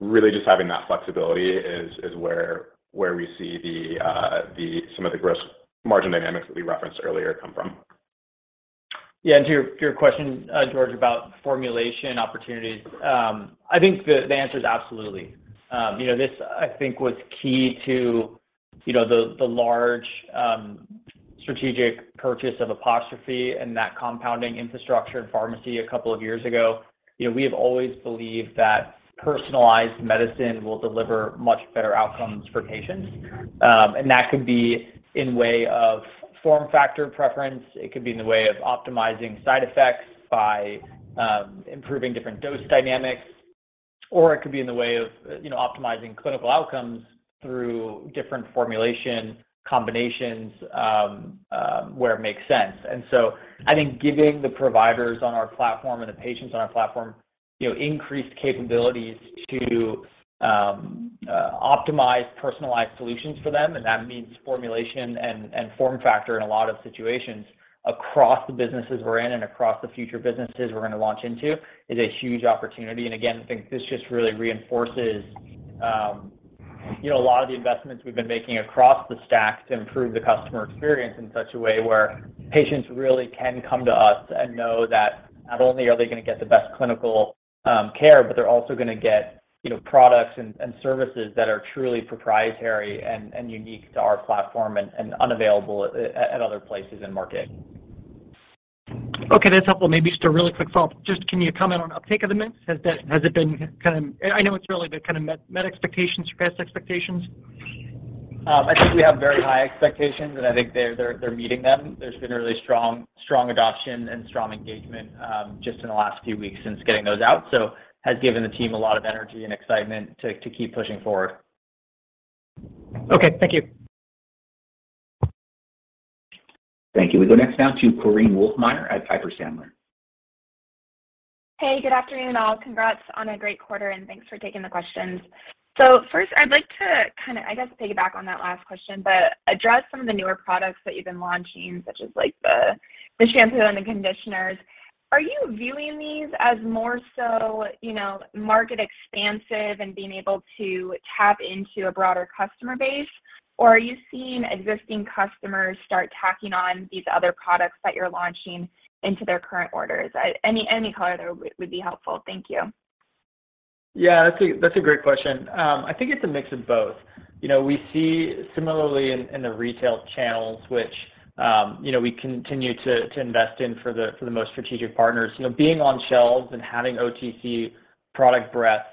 really just having that flexibility is where we see the some of the gross margin dynamics that we referenced earlier come from. Yeah. To your question, George, about formulation opportunities, I think the answer is absolutely. You know, this I think was key to, you know, the large Strategic purchase of Apostrophe and that compounding infrastructure and pharmacy two years ago. You know, we have always believed that personalized medicine will deliver much better outcomes for patients. That could be in way of form factor preference. It could be in the way of optimizing side effects by improving different dose dynamics, or it could be in the way of, you know, optimizing clinical outcomes through different formulation combinations, where it makes sense. I think giving the providers on our platform and the patients on our platform, you know, increased capabilities to optimize personalized solutions for them, and that means formulation and form factor in a lot of situations across the businesses we're in and across the future businesses we're gonna launch into is a huge opportunity. Again, I think this just really reinforces, you know, a lot of the investments we've been making across the stack to improve the customer experience in such a way where patients really can come to us and know that not only are they gonna get the best clinical care, but they're also gonna get, you know, products and services that are truly proprietary and unique to our platform and unavailable at other places in market. Okay, that's helpful. Maybe just a really quick follow-up. Just can you comment on uptake of the Mints? Has it been kind of... I know it's early, but kind of met expectations or past expectations? I think we have very high expectations. I think they're meeting them. There's been a really strong adoption and strong engagement just in the last few weeks since getting those out. Has given the team a lot of energy and excitement to keep pushing forward. Okay, thank you. Thank you. We go next now to Korinne Wolfmeyer at Piper Sandler. Hey, good afternoon, all. Congrats on a great quarter, and thanks for taking the questions. First, I'd like to kind of, I guess, piggyback on that last question, but address some of the newer products that you've been launching, such as like the shampoo and the conditioners. Are you viewing these as more so, you know, market expansive and being able to tap into a broader customer base, or are you seeing existing customers start tacking on these other products that you're launching into their current orders? Any color there would be helpful. Thank you. Yeah, that's a great question. I think it's a mix of both. You know, we see similarly in the retail channels, which, you know, we continue to invest in for the most strategic partners. You know, being on shelves and having OTC product breadth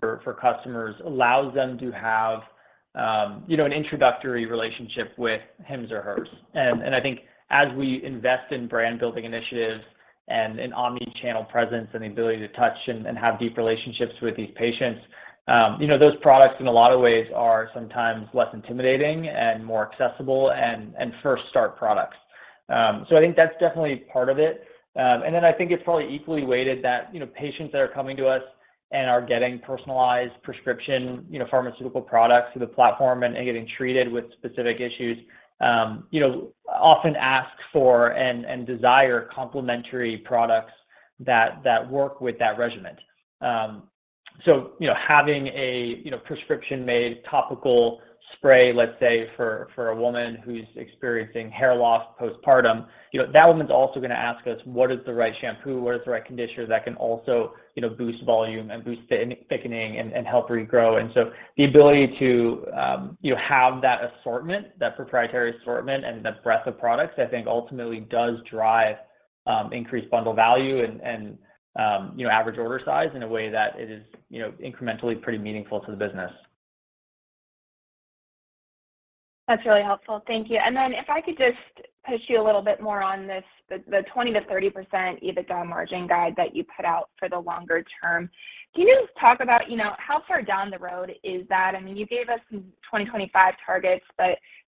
for customers allows them to have, you know, an introductory relationship with Hims or Hers. I think as we invest in brand building initiatives and an omni-channel presence and the ability to touch and have deep relationships with these patients, you know, those products in a lot of ways are sometimes less intimidating and more accessible and first start products. I think that's definitely part of it. Then I think it's probably equally weighted that, you know, patients that are coming to us and are getting personalized prescription, you know, pharmaceutical products through the platform and getting treated with specific issues, you know, often ask for and desire complementary products that work with that regimen. You know, having a, you know, prescription-made topical spray, let's say, for a woman who's experiencing hair loss postpartum, you know, that woman's also gonna ask us, "What is the right shampoo? What is the right conditioner that can also, you know, boost volume and boost thickening and help regrow? The ability to, you know, have that assortment, that proprietary assortment and the breadth of products, I think ultimately does drive increased bundle value and, you know, average order size in a way that it is, you know, incrementally pretty meaningful to the business. That's really helpful. Thank you. Then if I could just push you a little bit more on this, the 20%-30% EBITDA margin guide that you put out for the longer term. Can you just talk about, you know, how far down the road is that? I mean, you gave us some 2020-2025 targets,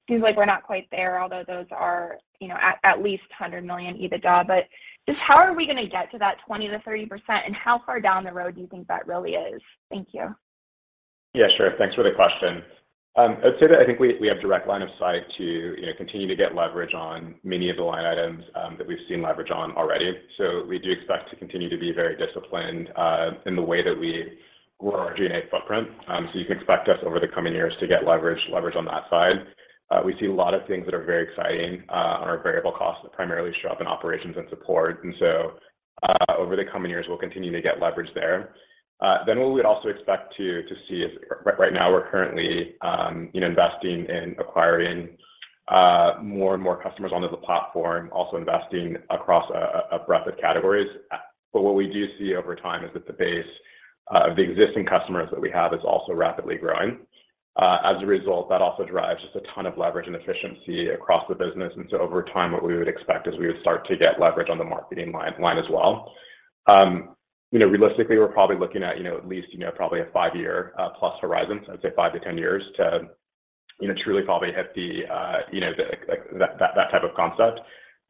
seems like we're not quite there, although those are, you know, at least $100 million EBITDA. Just how are we gonna get to that 20%-30%, and how far down the road do you think that really is? Thank you. Yeah, sure. Thanks for the question. I'd say that I think we have direct line of sight to, you know, continue to get leverage on many of the line items that we've seen leverage on already. We do expect to continue to be very disciplined in the way that we grow our G&A footprint. You can expect us over the coming years to get leverage on that side. We see a lot of things that are very exciting on our variable costs that primarily show up in operations and support. Over the coming years, we'll continue to get leverage there. Then what we would also expect to see is right now we're currently, you know, investing in acquiring more and more customers onto the platform, also investing across a breadth of categories. But what we do see over time is that the base of the existing customers that we have is also rapidly growing. As a result, that also drives just a ton of leverage and efficiency across the business. Over time, what we would expect is we would start to get leverage on the marketing line as well. You know, realistically, we're probably looking at, you know, at least, you know, probably a five-year plus horizon. So I'd say five-10 years to, you know, truly probably hit the, you know, the, like that type of concept.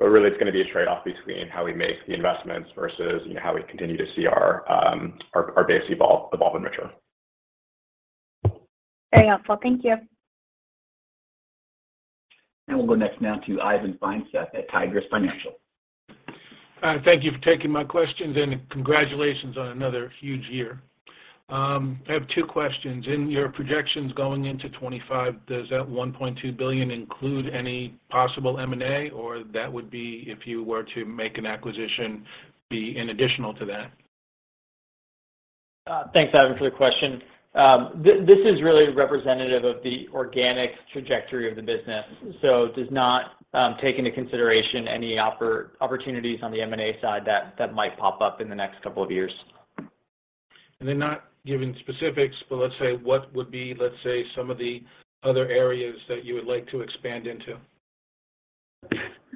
really it's gonna be a trade-off between how we make the investments versus, you know, how we continue to see our base evolve and mature. Very helpful. Thank you. We'll go next now to Ivan Feinseth at Tigress Financial. Thank you for taking my questions, and congratulations on another huge year. I have two questions. In your projections going into 2025, does that $1.2 billion include any possible M&A, or that would be if you were to make an acquisition be in additional to that? Thanks, Ivan, for the question. This is really representative of the organic trajectory of the business, so does not take into consideration any opportunities on the M&A side that might pop up in the next couple of years. Not giving specifics, but let's say what would be, let's say, some of the other areas that you would like to expand into?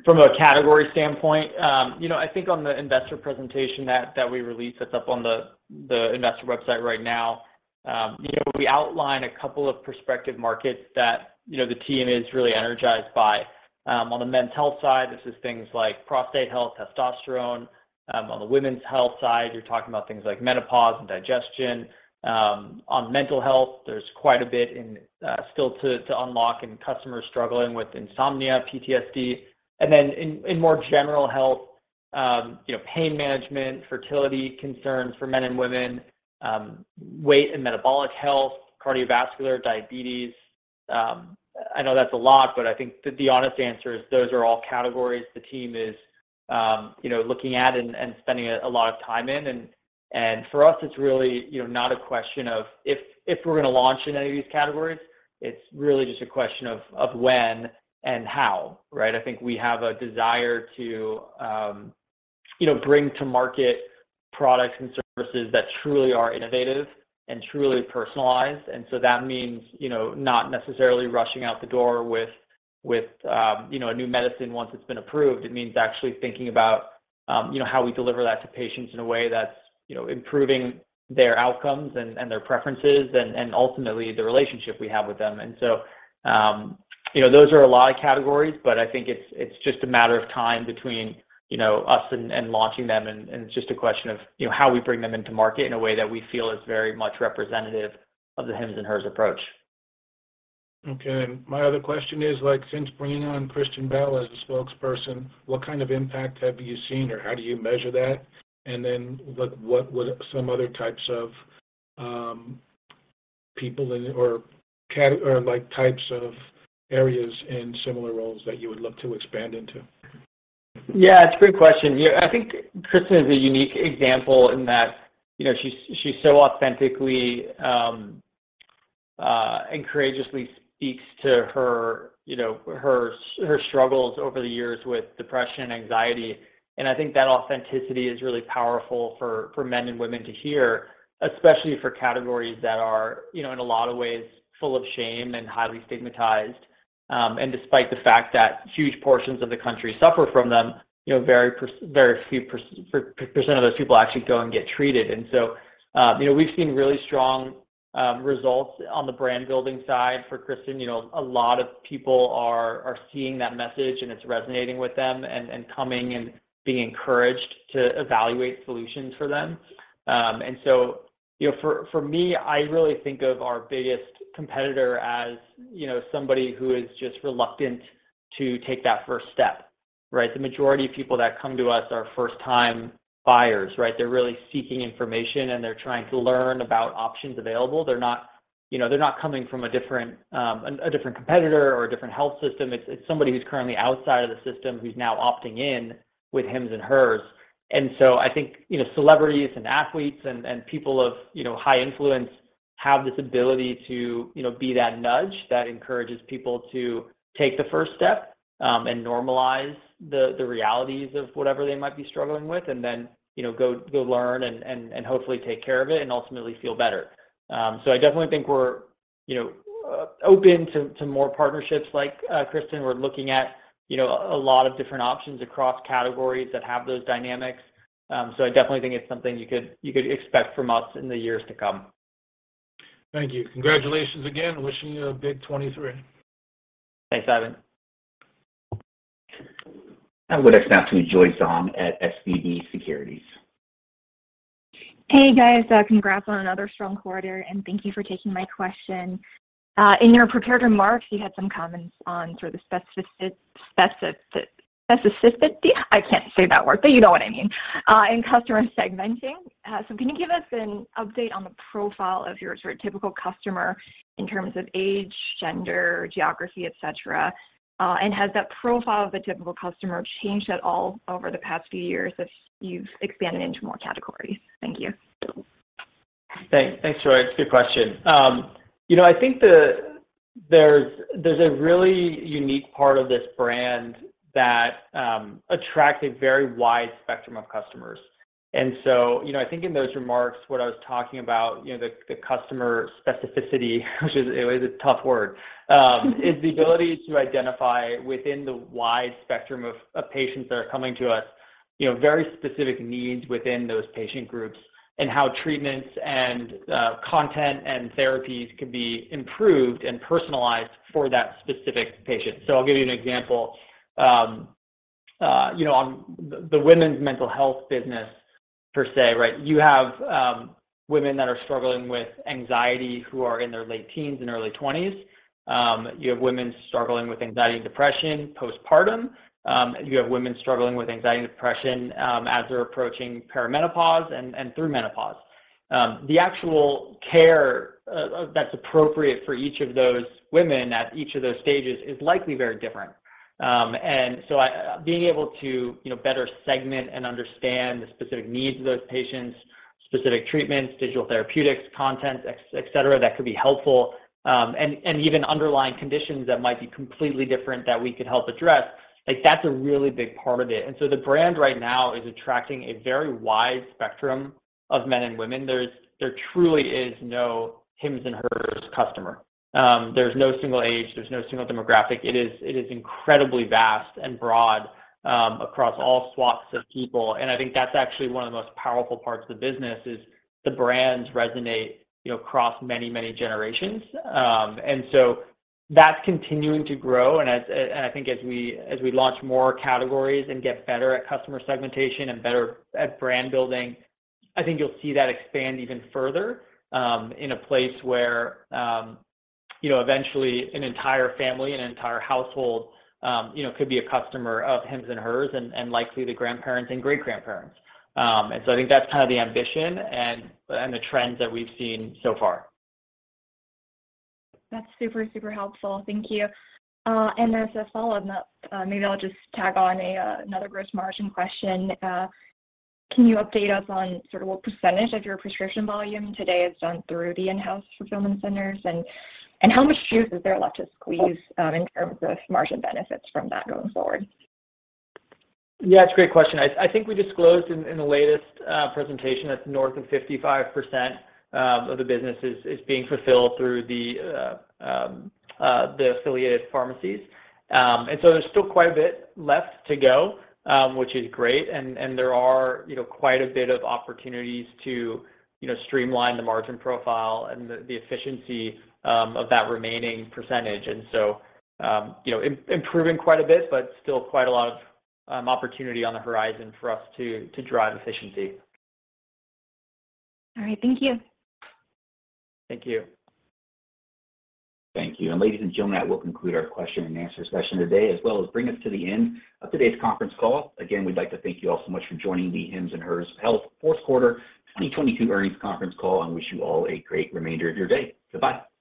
From a category standpoint, you know, I think on the investor presentation that we released that's up on the investor website right now, you know, we outline a couple of prospective markets that, you know, the team is really energized by. On the men's health side, this is things like prostate health, testosterone. On the women's health side, you're talking about things like menopause and digestion. On mental health, there's quite a bit in still to unlock, and customers struggling with insomnia, PTSD. Then in more general health, you know, pain management, fertility concerns for men and women, weight and metabolic health, cardiovascular, diabetes. I know that's a lot, but I think the honest answer is those are all categories the team is, you know, looking at and spending a lot of time in. For us, it's really, you know, not a question of if we're gonna launch in any of these categories. It's really just a question of when and how, right? I think we have a desire to, you know, bring to market products and services that truly are innovative and truly personalized. That means, you know, not necessarily rushing out the door with, you know, a new medicine once it's been approved. It means actually thinking about, you know, how we deliver that to patients in a way that's, you know, improving their outcomes and their preferences and ultimately the relationship we have with them. Those are a lot of categories, but I think it's just a matter of time between, you know, us and launching them. It's just a question of, you know, how we bring them into market in a way that we feel is very much representative of the Hims & Hers approach. Okay. My other question is like since bringing on Kristen Bell as a spokesperson, what kind of impact have you seen or how do you measure that? What would some other types of people in types of areas in similar roles that you would love to expand into? Yeah, it's a great question. I think Kristen is a unique example in that, you know, she's so authentically and courageously speaks to her, you know, her struggles over the years with depression and anxiety. I think that authenticity is really powerful for men and women to hear, especially for categories that are, you know, in a lot of ways full of shame and highly stigmatized. Despite the fact that huge portions of the country suffer from them, you know, very few percent of those people actually go and get treated. You know, we've seen really strong results on the brand building side for Kristen. You know, a lot of people are seeing that message and it's resonating with them and coming and being encouraged to evaluate solutions for them. You know, for me, I really think of our biggest competitor as, you know, somebody who is just reluctant to take that first step, right? The majority of people that come to us are first-time buyers, right? They're really seeking information and they're trying to learn about options available. They're not, you know, they're not coming from a different, a different competitor or a different health system. It's somebody who's currently outside of the system who's now opting in with Hims & Hers. I think, you know, celebrities and athletes and people of, you know, high influence have this ability to, you know, be that nudge that encourages people to take the first step, and normalize the realities of whatever they might be struggling with, and then, you know, go learn and hopefully take care of it and ultimately feel better. I definitely think we're, you know, open to more partnerships like Kristen. We're looking at, you know, a lot of different options across categories that have those dynamics. I definitely think it's something you could, you could expect from us in the years to come. Thank you. Congratulations again. Wishing you a big 2023. Thanks, Ivan. I would expect to be Joyce Ong at SVB Securities. Hey guys, congrats on another strong quarter and thank you for taking my question. In your prepared remarks, you had some comments on sort of the specificity. I can't say that word, but you know what I mean, in customer segmenting. Can you give us an update on the profile of your sort of typical customer in terms of age, gender, geography, et cetera? Has that profile of the typical customer changed at all over the past few years as you've expanded into more categories? Thank you. Thanks. Thanks, Joyce. Good question. you know, I think there's a really unique part of this brand that attract a very wide spectrum of customers. you know, I think in those remarks what I was talking about, you know, the customer specificity, which it was a tough word, is the ability to identify within the wide spectrum of patients that are coming to us, you know, very specific needs within those patient groups and how treatments and content and therapies could be improved and personalized for that specific patient. I'll give you an example. you know, on the women's mental health business per se, right? You have women that are struggling with anxiety who are in their late teens and early twenties. You have women struggling with anxiety and depression postpartum. You have women struggling with anxiety and depression as they're approaching perimenopause and through menopause. The actual care that's appropriate for each of those women at each of those stages is likely very different. Being able to, you know, better segment and understand the specific needs of those patients, specific treatments, digital therapeutics, content, etcetera, that could be helpful. Even underlying conditions that might be completely different that we could help address, like that's a really big part of it. The brand right now is attracting a very wide spectrum of men and women. There truly is no Hims & Hers customer. There's no single age, there's no single demographic. It is incredibly vast and broad across all swaths of people. I think that's actually one of the most powerful parts of the business is the brands resonate, you know, across many, many generations. That's continuing to grow, and I think as we launch more categories and get better at customer segmentation and better at brand building, I think you'll see that expand even further, in a place where, you know, eventually an entire family, an entire household, you know, could be a customer of Hims & Hers and likely the grandparents and great-grandparents. I think that's kind of the ambition and the trends that we've seen so far. That's super helpful. Thank you. There's a follow-on that, maybe I'll just tag on another gross margin question. Can you update us on sort of what percentage of your prescription volume today is done through the in-house fulfillment centers? And how much juice is there left to squeeze, in terms of margin benefits from that going forward? Yeah, it's a great question. I think we disclosed in the latest presentation that north of 55% of the business is being fulfilled through the affiliated pharmacies. There's still quite a bit left to go, which is great and there are, you know, quite a bit of opportunities to, you know, streamline the margin profile and the efficiency of that remaining percentage. You know, improving quite a bit, but still quite a lot of opportunity on the horizon for us to drive efficiency. All right. Thank you. Thank you. Thank you. Ladies and gentlemen, that will conclude our question and answer session today, as well as bring us to the end of today's conference call. Again, we'd like to thank you all so much for joining the Hims & Hers Health fourth quarter 2022 earnings conference call, and wish you all a great remainder of your day. Goodbye.